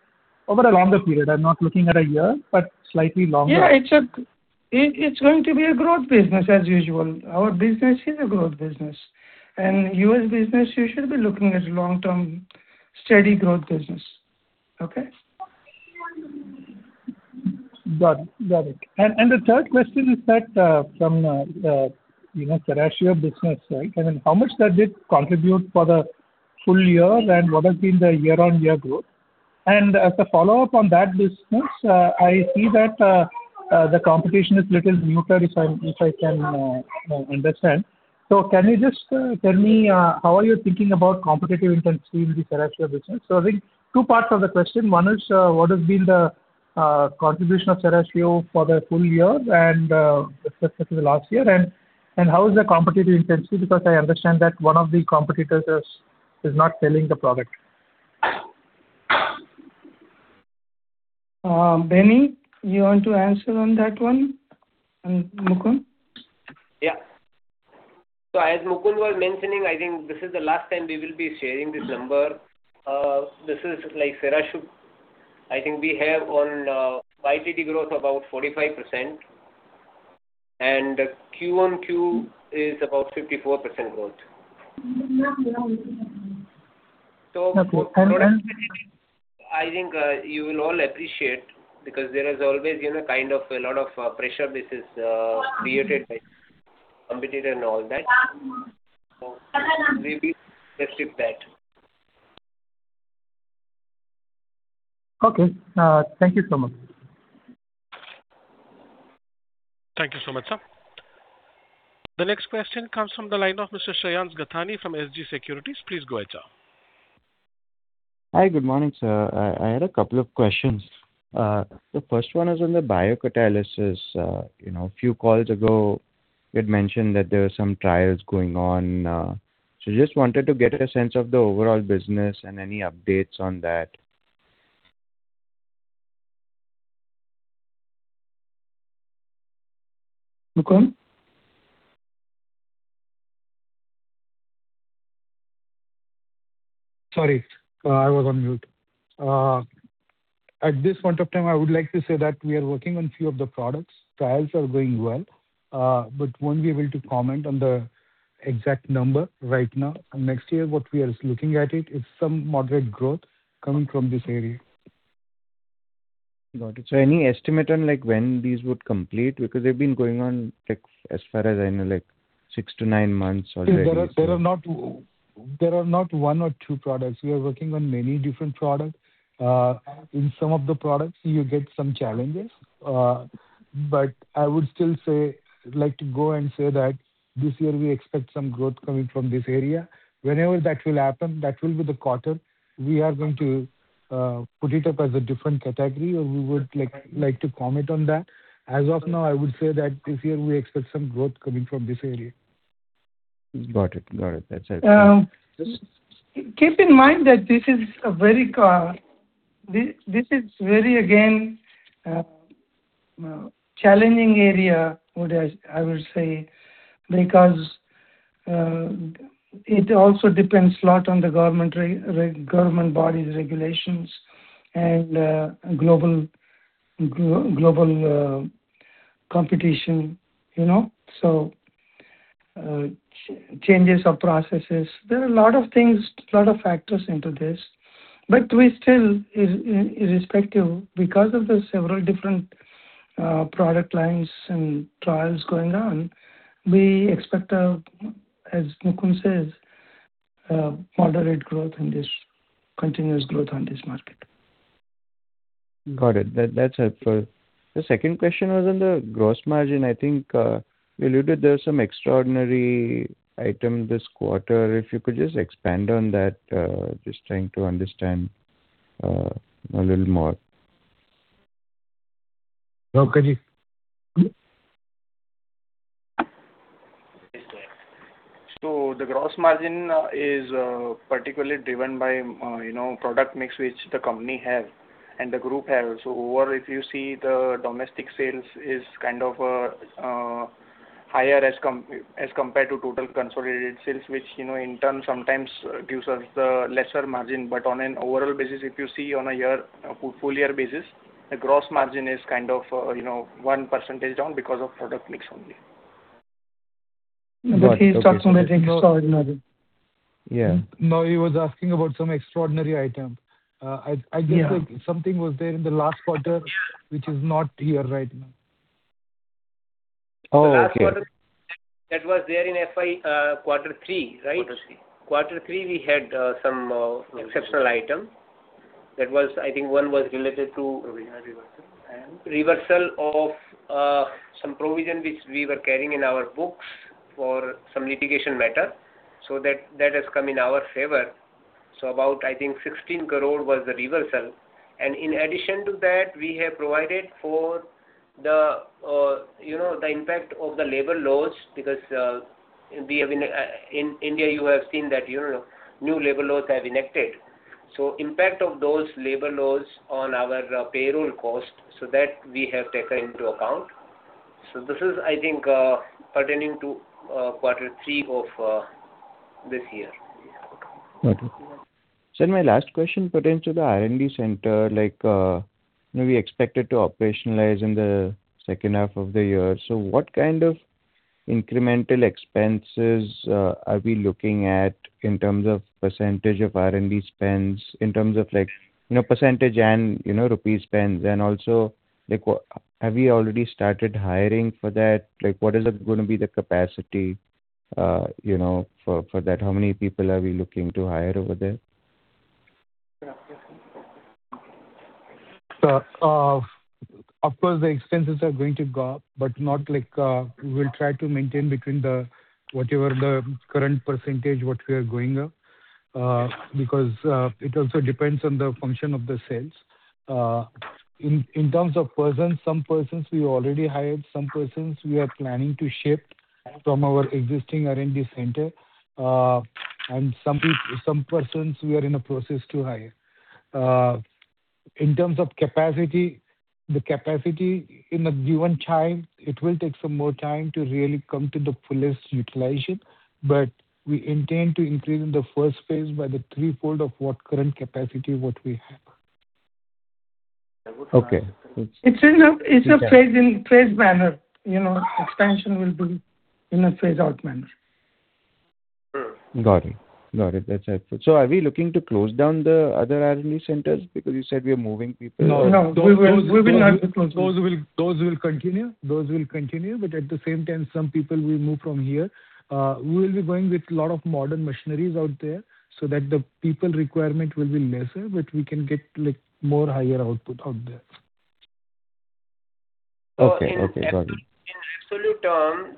over a longer period? I'm not looking at a year, but slightly longer. Yeah, it's going to be a growth business as usual. Our business is a growth business. U.S. business, you should be looking as long-term steady growth business. Okay? Got it. Got it. The third question is that, from the, you know, Serratiopeptidase business, right? I mean, how much that did contribute for the full year and what has been the year-on-year growth? As a follow-up on that business, I see that the competition is little muted if I, if I can understand. Can you just tell me how are you thinking about competitive intensity in the Serratiopeptidase business? I think two parts of the question. One is, what has been the contribution of Serratiopeptidase for the full year and, especially the last year, and how is the competitive intensity? Because I understand that one of the competitors is not selling the product. Beni, you want to answer on that one? Mukund? Yeah. As Mukund was mentioning, I think this is the last time we will be sharing this number. This is like Serratiopeptidase. I think we have on YTD growth about 45%, and Q-on-Q is about 54% growth. Okay. I think you will all appreciate because there has always been a kind of a lot of pressure this is created by competitor and all that. We'll be restricting that. Okay. Thank you so much. Thank you so much, sir. The next question comes from the line of Mr. Shreyans Gathani from SG Securities, please go ahead, sir. Hi, good morning sir? I had a couple of questions. The first one is on the Biocatalysis. You know, a few calls ago you had mentioned that there were some trials going on. Just wanted to get a sense of the overall business and any updates on that. Mukund? Sorry, I was on mute. At this point of time, I would like to say that we are working on few of the products. Trials are going well, won't be able to comment on the exact number right now. Next year, what we are looking at it is some moderate growth coming from this area. Got it. Any estimate on like when these would complete? Because they've been going on like as far as I know, like six to nine months already. There are not one or two products. We are working on many different products. In some of the products you get some challenges. I would still say, like to go and say that this year we expect some growth coming from this area. Whenever that will happen, that will be the quarter we are going to put it up as a different category or we would like to comment on that. As of now, I would say that this year we expect some growth coming from this area. Got it. Got it. That's helpful. Keep in mind that this is a very, again, challenging area I would say because it also depends a lot on the government bodies regulations and global competition, you know. Changes of processes. There are a lot of things, lot of factors into this. We still, irrespective because of the several different, product lines and trials going on, we expect a, as Mukund says, moderate growth in this continuous growth on this market. Got it. That's helpful. The second question was on the gross margin. I think you alluded there was some extraordinary item this quarter. If you could just expand on that, just trying to understand a little more. Rauka ji? The gross margin is particularly driven by, you know, product mix which the company have and the group have. Overall if you see the domestic sales is kind of higher as compared to total consolidated sales, which, you know, in turn sometimes gives us the lesser margin. On an overall basis, if you see on a year, full year basis, the gross margin is kind of, you know, 1% down because of product mix only. He's talking something extraordinary. Yeah. No, he was asking about some extraordinary item. I guess like something was there in the last quarter which is not here right now. Oh, okay. The last quarter that was there in FY, quarter three, right? Quarter three. Quarter three we had some exceptional item. That was, I think one was related to. Provision reversal. Reversal of some provision which we were carrying in our books for some litigation matter. That, that has come in our favor. So about, I think 16 crore was the reversal. In addition to that, we have provided for the, you know, the impact of the labor laws because we have been In India, you have seen that, you know, new labor laws have enacted. Impact of those labor laws on our payroll cost, so that we have taken into account. This is, I think, pertaining to quarter three of this year. Okay. Sir, my last question pertains to the R&D center, like, you know, we expect it to operationalize in the second half of the year. What kind of incremental expenses are we looking at in terms of percentage of R&D spends, in terms of like, you know, percentage and, you know, INR spends? Like, have we already started hiring for that? Like, what is gonna be the capacity, you know, for that? How many people are we looking to hire over there? Of course the expenses are going to go up, but not like. We'll try to maintain between the, whatever the current percentage what we are going up, because it also depends on the function of the sales. In terms of persons, some persons we already hired, some persons we are planning to shift from our existing R&D center. Some persons we are in a process to hire. In terms of capacity, the capacity in a given time, it will take some more time to really come to the fullest utilization, but we intend to increase in the first phase by the three-fold of what current capacity what we have. Okay. It's a phase in, phase manner. You know, expansion will be in a phase out manner. Got it. Got it. That's helpful. Are we looking to close down the other R&D centers? Because you said we are moving people. No. We will not be closing. Those will continue. Those will continue, but at the same time, some people will move from here. We will be going with lot of modern machineries out there so that the people requirement will be lesser, but we can get, like, more higher output out there. Okay. Okay. Got it. In absolute term,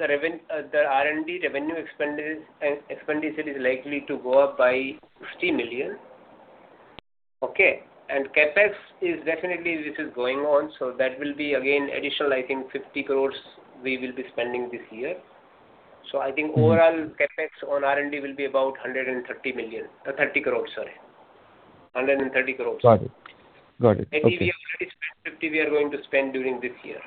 the R&D revenue expenditure is likely to go up by 50 million. Okay. CapEx is definitely this is going on, that will be again additional, I think 50 crores we will be spending this year. I think overall CapEx on R&D will be about INR 130 million, INR 30 crores, sorry. INR 130 crores. Got it. Got it. Okay. Maybe we have already spent INR 50 million we are going to spend during this year.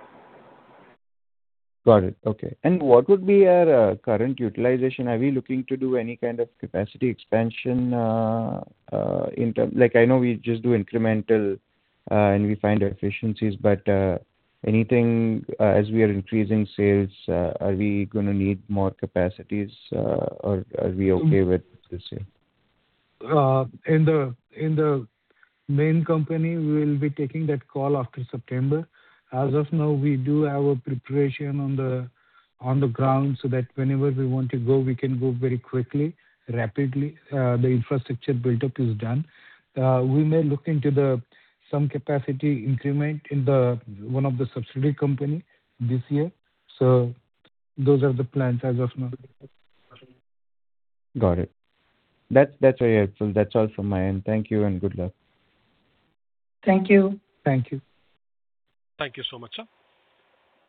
Got it. Okay. What would be our current utilization? Are we looking to do any kind of capacity expansion? Like I know we just do incremental, and we find efficiencies. Anything, as we are increasing sales, are we gonna need more capacities, or are we okay with what's there? In the main company, we'll be taking that call after September. As of now, we do our preparation on the ground so that whenever we want to go, we can go very quickly, rapidly. The infrastructure buildup is done. We may look into some capacity increment in the one of the subsidiary company this year. Those are the plans as of now. Got it. That's very helpful. That's all from my end. Thank you and good luck. Thank you. Thank you. Thank you so much.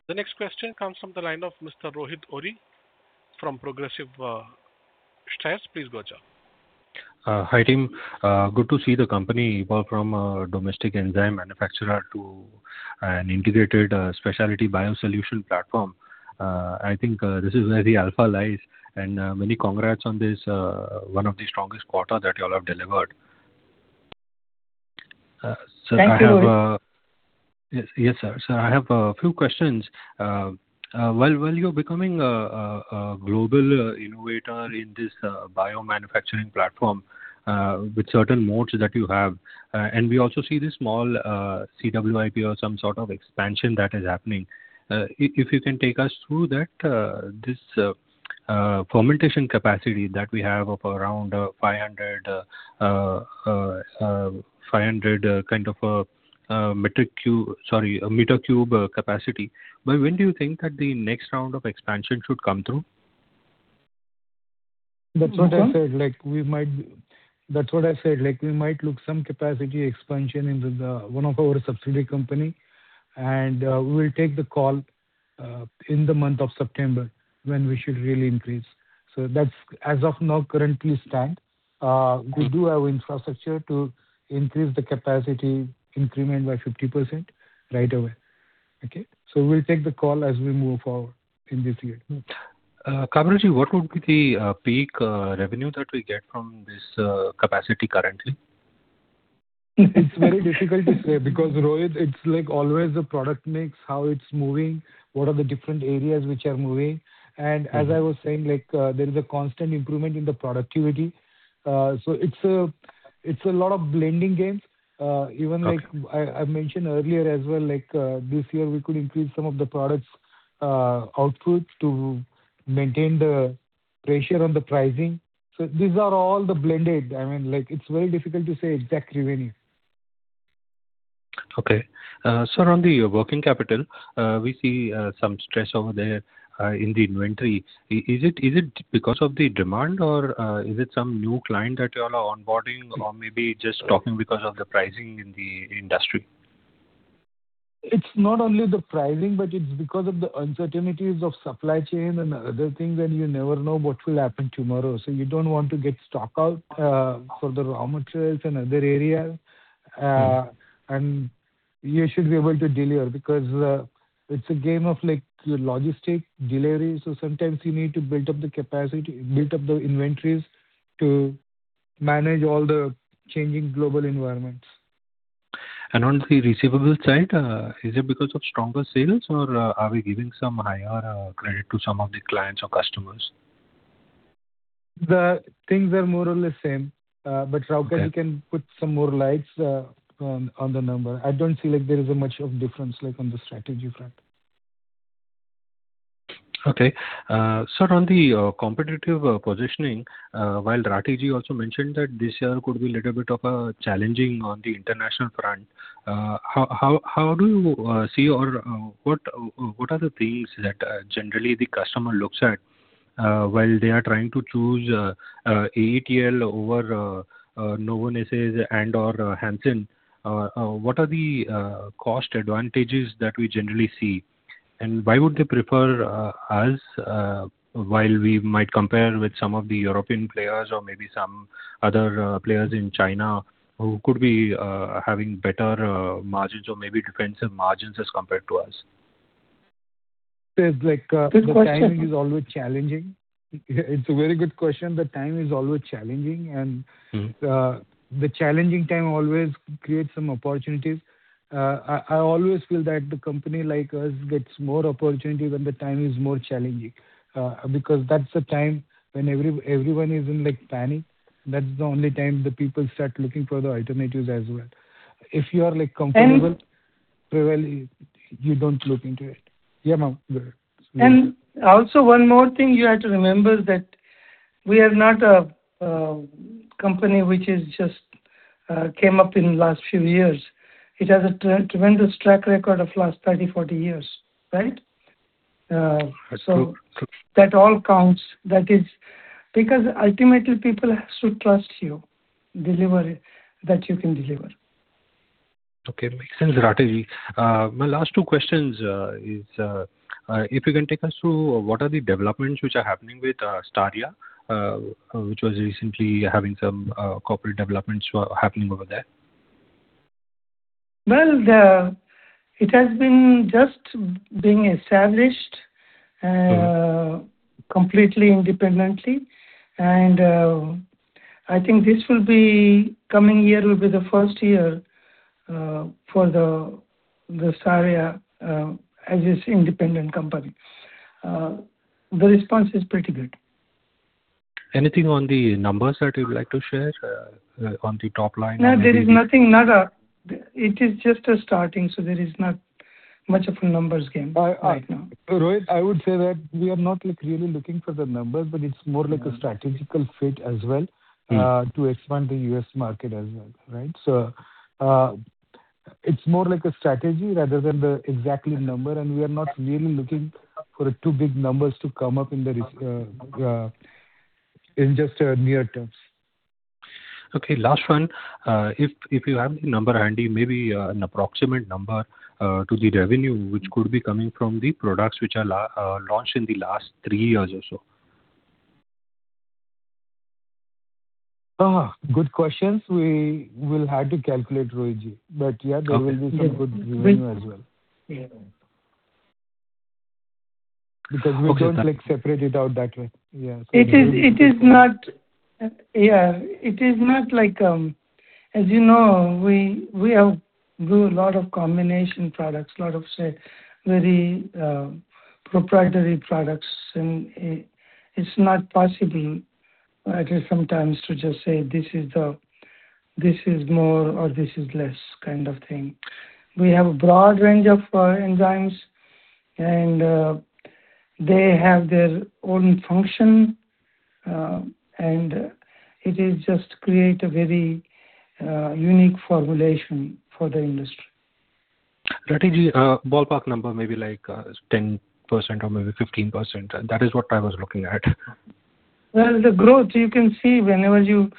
The next question comes from the line of Mr. Rohit Ohri from Progressive Shares, please go ahead, sir. Hi team. Good to see the company evolve from a domestic enzyme manufacturer to an integrated, specialty biosolution platform. I think, this is where the alpha lies. Many congrats on this, one of the strongest quarter that y'all have delivered. Thank you, Rohit. Yes. Yes, sir. I have a few questions. While you're becoming a global innovator in this biomanufacturing platform, with certain moats that you have, and we also see the small CWIP or some sort of expansion that is happening. If you can take us through that, this fermentation capacity that we have of around 500 m cu capacity. By when do you think that the next round of expansion should come through? That's what I said, like we might look some capacity expansion into the one of our subsidiary company, and we will take the call in the month of September when we should really increase. That's as of now currently stand. We do have infrastructure to increase the capacity increment by 50% right away. Okay. We'll take the call as we move forward in this year. [Kamleshji], what would be the peak revenue that we get from this capacity currently? It's very difficult to say because, Rohit, it's like always the product mix, how it's moving, what are the different areas which are moving. As I was saying, like, there is a constant improvement in the productivity. It's a lot of blending game. Even like I mentioned earlier as well, like, this year we could increase some of the products output to maintain the pressure on the pricing. These are all the blended I mean, like it's very difficult to say exact revenue. Okay. sir, on the working capital, we see some stress over there in the inventory. Is it because of the demand or is it some new client that you all are onboarding or maybe just talking because of the pricing in the industry? It is not only the pricing, but it is because of the uncertainties of supply chain and other things, and you never know what will happen tomorrow. You do not want to get stock out for the raw materials and other areas. You should be able to deliver because it is a game of, like, the logistic delivery. Sometimes you need to build up the capacity, build up the inventories to manage all the changing global environments. On the receivables side, is it because of stronger sales or, are we giving some higher credit to some of the clients or customers? The things are more or less same. Okay. Rauka ji can put some more lights on the number. I don't feel like there is a much of difference, like, on the strategy front. Okay. sir, on the competitive positioning, while Rathi also mentioned that this year could be a little bit of a challenging on the international front. How do you see or what are the things that generally the customer looks at while they are trying to choose AETL over Novozymes and/or Hansen? What are the cost advantages that we generally see? Why would they prefer us while we might compare with some of the European players or maybe some other players in China who could be having better margins or maybe defensive margins as compared to us? Good question. The timing is always challenging. It's a very good question. The time is always challenging. The challenging time always creates some opportunities. I always feel that the company like us gets more opportunity when the time is more challenging, because that's the time when everyone is in, like, panic. That's the only time the people start looking for the alternatives as well. If you are, like, comfortable. And- Generally, you don't look into it. Yeah, go ahead. Also one more thing you have to remember that we are not a company which is just came up in last few years. It has a tremendous track record of last 30, 40 years, right? True, true. That all counts. That is Because ultimately people should trust you, deliver it, that you can deliver. Okay. Makes sense, Rathi ji. My last two questions is if you can take us through what are the developments which are happening with Starya, which was recently having some corporate developments happening over there. Well, It has been just being established. Completely independently. I think Coming year will be the first year for the Starya as its independent company. The response is pretty good. Anything on the numbers that you would like to share on the top line or maybe? No, there is nothing. Nada. It is just a starting, so there is not much of a numbers game right now. I Rohit, I would say that we are not, like, really looking for the numbers, but it's more like a strategical fit as well. To expand the U.S. market as well, right? It's more like a strategy rather than the exactly number, and we are not really looking for too big numbers to come up in just near terms. Okay, last one. If you have the number handy, maybe, an approximate number to the revenue which could be coming from the products which are launched in the last three years or so. Good questions. We will have to calculate, Rohit ji. Yeah, there will be some good revenue as well. Okay. Yeah. Because we don't, like, separate it out that way. Yeah. It is not like you know, we have do a lot of combination products, a lot of, say, very proprietary products and it's not possible, at least sometimes, to just say, this is more or this is less, kind of thing. We have a broad range of enzymes and they have their own function and it is just create a very unique formulation for the industry. Vasant Rathi, a ballpark number maybe like 10% or maybe 15%. That is what I was looking at. Well, the growth you can see whenever you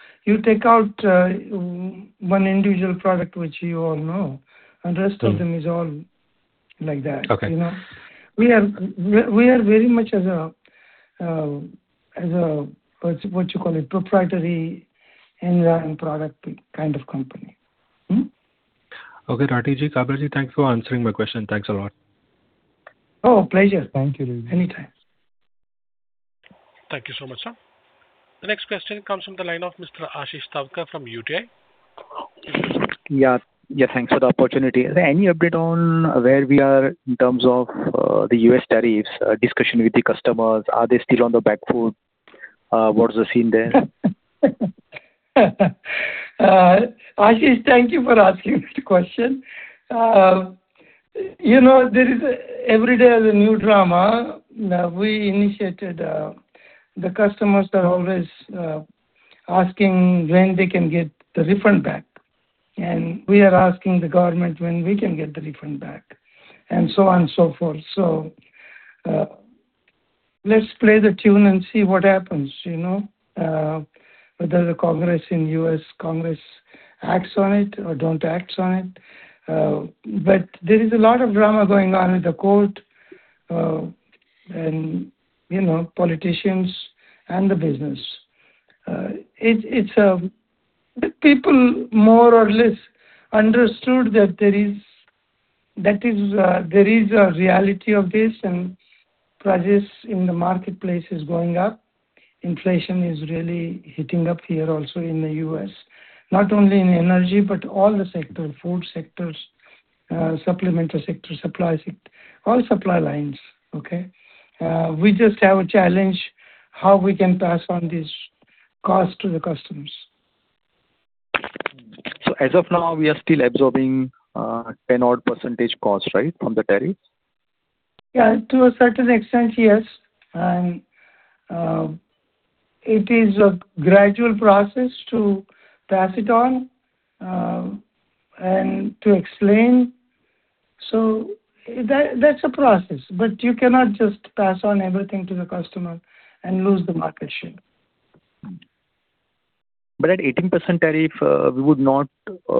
take out, one individual product which you all know, and rest of them is all like that. Okay. You know. We are very much as a, what you call it, proprietary enzyme product kind of company. Hmm. Okay, Vasant Rathi, Mukund Kabra, thank you for answering my question. Thanks a lot. Oh, pleasure. Thank you, Rohit ji. Anytime. Thank you so much, sir. The next question comes from the line of Mr. Ashish Thavkar from UTI. Thanks for the opportunity. Is there any update on where we are in terms of, the U.S. tariffs, discussion with the customers? Are they still on the back foot? What is the scene there? Ashish, thank you for asking this question. You know, every day there is a new drama. We initiated, the customers are always asking when they can get the refund back. We are asking the government when we can get the refund back, and so on and so forth. Let's play the tune and see what happens, you know. Whether the Congress in U.S., Congress acts on it or don't act on it. There is a lot of drama going on in the court. You know, politicians and the business. It is The people more or less understood that there is a reality of this and prices in the marketplace is going up. Inflation is really hitting up here also in the U.S. Not only in energy, but all the sector, food sectors, supplemental sector, all supply lines, okay. We just have a challenge how we can pass on this cost to the customers. As of now, we are still absorbing 10 odd % cost, right, from the tariff? Yeah, to a certain extent, yes. It is a gradual process to pass it on, and to explain. That's a process, but you cannot just pass on everything to the customer and lose the market share. At 18% tariff, we would not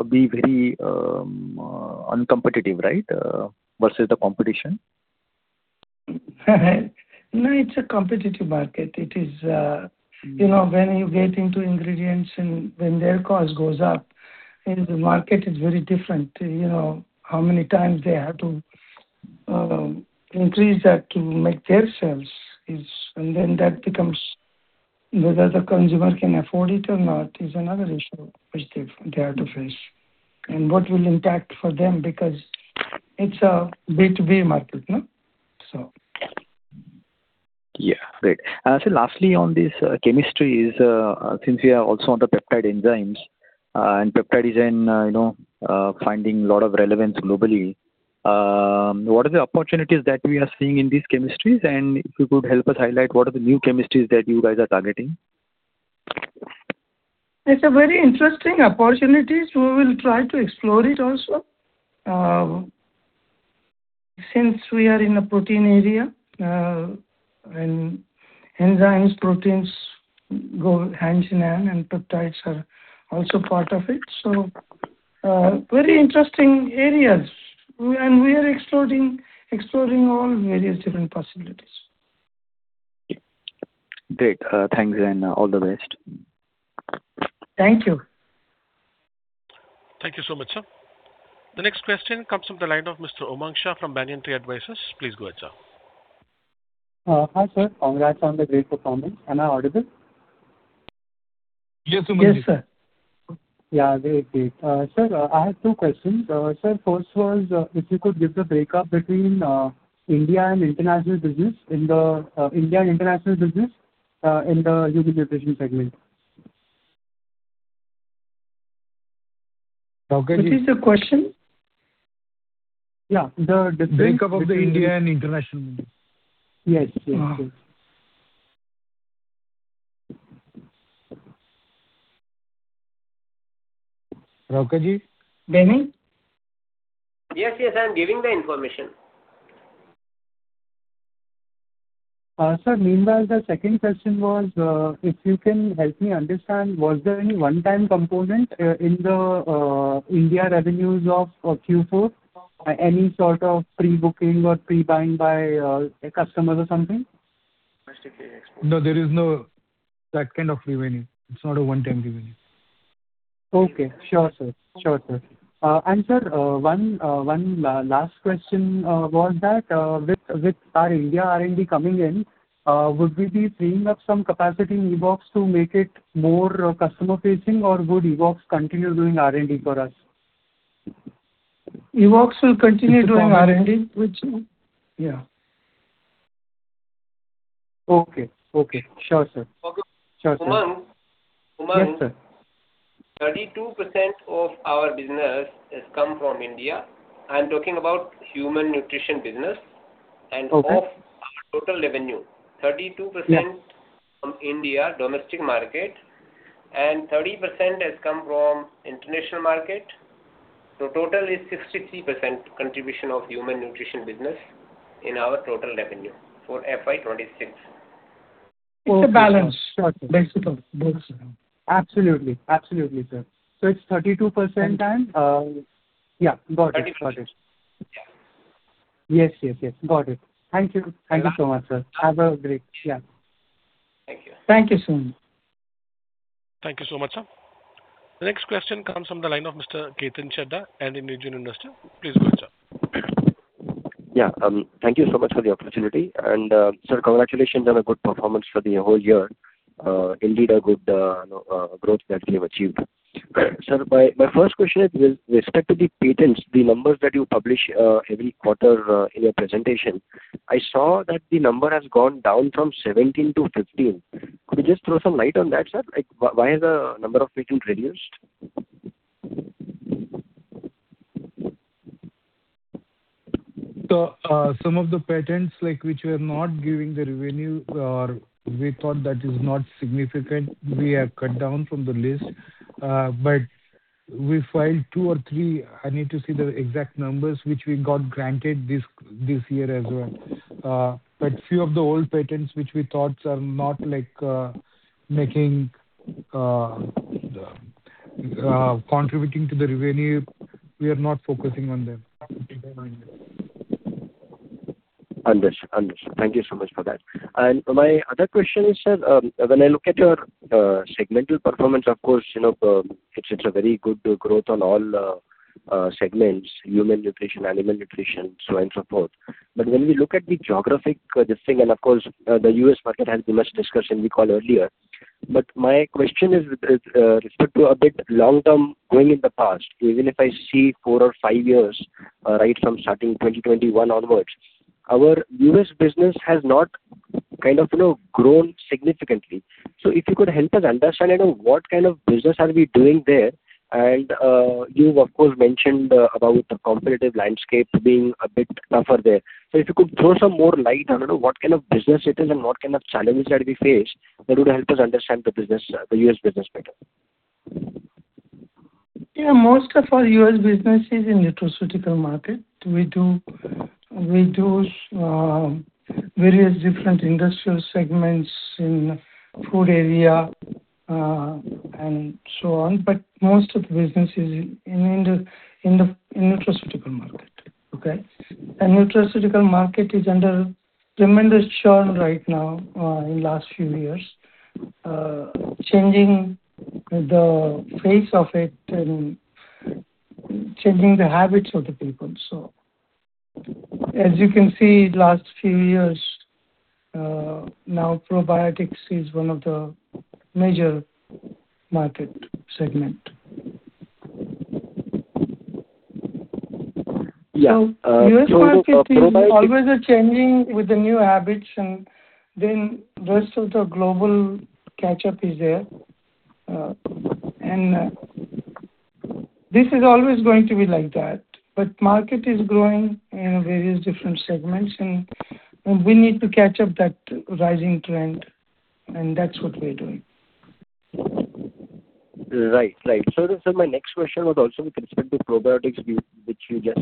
be very uncompetitive, right, versus the competition? No, it's a competitive market. You know, when you get into ingredients and when their cost goes up and the market is very different, you know, how many times they have to increase that to make their sales is. That becomes whether the consumer can afford it or not is another issue which they have to face. What will impact for them because it's a B2B market, no? Yeah. Great. Lastly on this, chemistry is, since we are also on the peptide enzymes, and peptide is in, you know, finding a lot of relevance globally, what are the opportunities that we are seeing in these chemistries? If you could help us highlight what are the new chemistries that you guys are targeting. It's a very interesting opportunities. We will try to explore it also. Since we are in a protein area, and enzymes, proteins go hands in hand and peptides are also part of it. Very interesting areas. We are exploring all various different possibilities. Great. Thanks and all the best. Thank you. Thank you so much, sir. The next question comes from the line of Mr. Umang Shah from Banyan Tree Advisors, please go ahead, sir. Hi, sir. Congrats on the great performance. Am I audible? Yes, Umang. sir. Yeah. Great. Great. Sir, I have two questions. Sir, first was, if you could give the breakup between India and international business in the human nutrition segment. Rauka ji? What is the question? Yeah. The breakup of the India and international business. Yes. Yes. Yes. Rauka ji? Beni? Yes, I'm giving the information. Sir, meanwhile, the second question was, if you can help me understand, was there any one-time component in the India revenues of Q4? Any sort of pre-booking or pre-buying by customers or something? No, there is no that kind of revenue. It's not a one-time revenue. Okay. Sure, sir. Sir, one last question was that with our India R&D coming in, would we be freeing up some capacity in Evoxx to make it more customer-facing or would Evoxx continue doing R&D for us? Evoxx will continue doing R&D. Okay. Okay. Sure, sir. Umang? Yes, sir. 32% of our business has come from India. I'm talking about human nutrition business. Okay. Of our total revenue, 32% from India domestic market and 30% has come from international market. Total is 63% contribution of human nutrition business in our total revenue for FY 2026. Okay. Sure. It's a balance. Got it. Basically. Absolutely. Absolutely, sir. It's 32% and Yeah, got it. Got it. 32%. Yeah. Yes, yes. Got it. Thank you. Yeah. Thank you so much, sir. Have a great Yeah. Thank you. Thank you, sir. Thank you so much, sir. The next question comes from the line of Mr. Ketan Chheda, Individual investor, please go ahead, sir. Thank you so much for the opportunity. Sir, congratulations on a good performance for the whole year. Indeed a good, you know, growth that you have achieved. Sir, my first question is with respect to the patents, the numbers that you publish every quarter in your presentation, I saw that the number has gone down from 17% to 15%. Could you just throw some light on that, sir? Like, why has the number of patent reduced? Some of the patents, like which we are not giving the revenue or we thought that is not significant, we have cut down from the list. We filed two or three, I need to see the exact numbers, which we got granted this year as well. Few of the old patents which we thought are not like, making, contributing to the revenue, we are not focusing on them. Understood. Understood. Thank you so much for that. My other question is, sir, when I look at your segmental performance, of course, you know, it's a very good growth on all segments, human nutrition, animal nutrition, so on and so forth. When we look at the geographic, this thing, and of course, the U.S. market has been much discussion we call earlier. My question is, respect to a bit long-term going in the past. Even if I see four or five years, right from starting 2021 onwards, our U.S. business has not kind of, you know, grown significantly. If you could help us understand, you know, what kind of business are we doing there? You of course mentioned about the competitive landscape being a bit tougher there. If you could throw some more light on, you know, what kind of business it is and what kind of challenges that we face, that would help us understand the business, the U.S. business better. Most of our U.S. business is in nutraceutical market. We do various different industrial segments in food area and so on. Most of the business is in the nutraceutical market. Okay? Nutraceutical market is under tremendous churn right now in last few years, changing the face of it and changing the habits of the people. As you can see last few years, now probiotics is one of the major market segment. Yeah. [inaudible] U.S. market is always changing with the new habits and then rest of the global catch up is there. This is always going to be like that. Market is growing in various different segments. We need to catch up that rising trend. That's what we are doing. Right. Right. sir, my next question was also with respect to probiotics view, which you just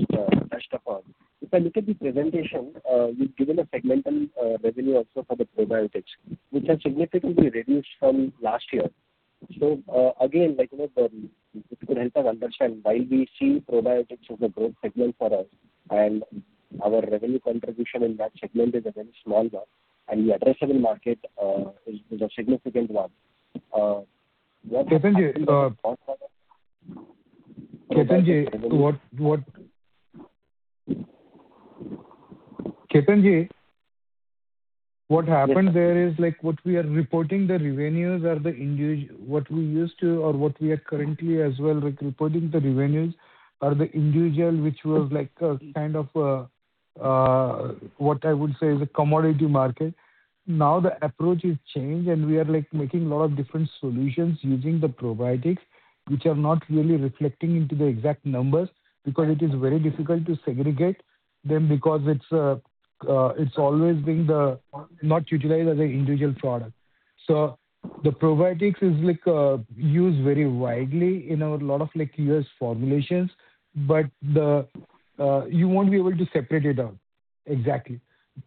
touched upon. If I look at the presentation, you've given a segmental revenue also for the probiotics, which has significantly reduced from last year. again, like, you know, if you could help us understand why we see probiotics as a growth segment for us and our revenue contribution in that segment is a very small one, and the addressable market is a significant one. what. Ketan ji, what happened there is like what we are reporting the revenues or what we used to or what we are currently as well, like reporting the revenues are the individual which was like, kind of a, what I would say is a commodity market. Now the approach is changed, and we are like making lot of different solutions using the probiotics, which are not really reflecting into the exact numbers because it is very difficult to segregate them because it's always been the not utilized as a individual product. The probiotics is like used very widely in a lot of like U.S. formulations, but the you won't be able to separate it out exactly.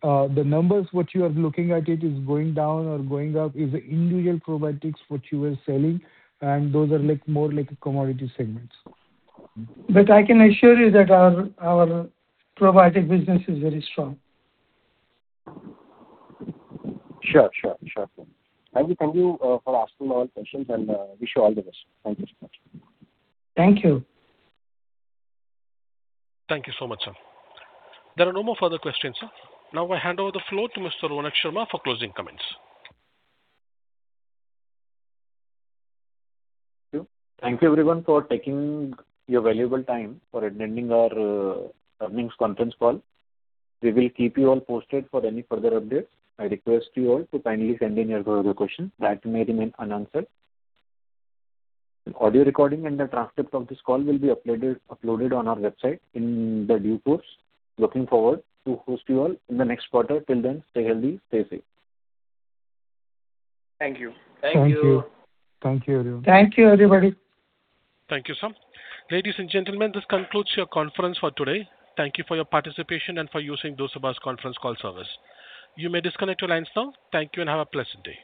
The numbers what you are looking at it is going down or going up is the individual probiotics what you are selling. Those are like more like commodity segments. I can assure you that our probiotic business is very strong. Sure. Thank you. Thank you, for asking all questions and, wish you all the best. Thank you so much. Thank you. Thank you so much, sir. There are no more further questions, sir. Now I hand over the floor to Mr. Ronak Saraf for closing comments. Thank you. Thank you everyone for taking your valuable time for attending our earnings conference call. We will keep you all posted for any further updates. I request you all to kindly send in your further questions that may remain unanswered. An audio recording and the transcript of this call will be uploaded on our website in the due course. Looking forward to host you all in the next quarter. Till then, stay healthy, stay safe. Thank you. Thank you. Thank you. Thank you, everyone. Thank you, everybody. Thank you, sir. Ladies and gentlemen, this concludes your conference for today. Thank you for your participation and for using Chorus Call Conference Call service, you may disconnect your lines now. Thank you and have a pleasant day.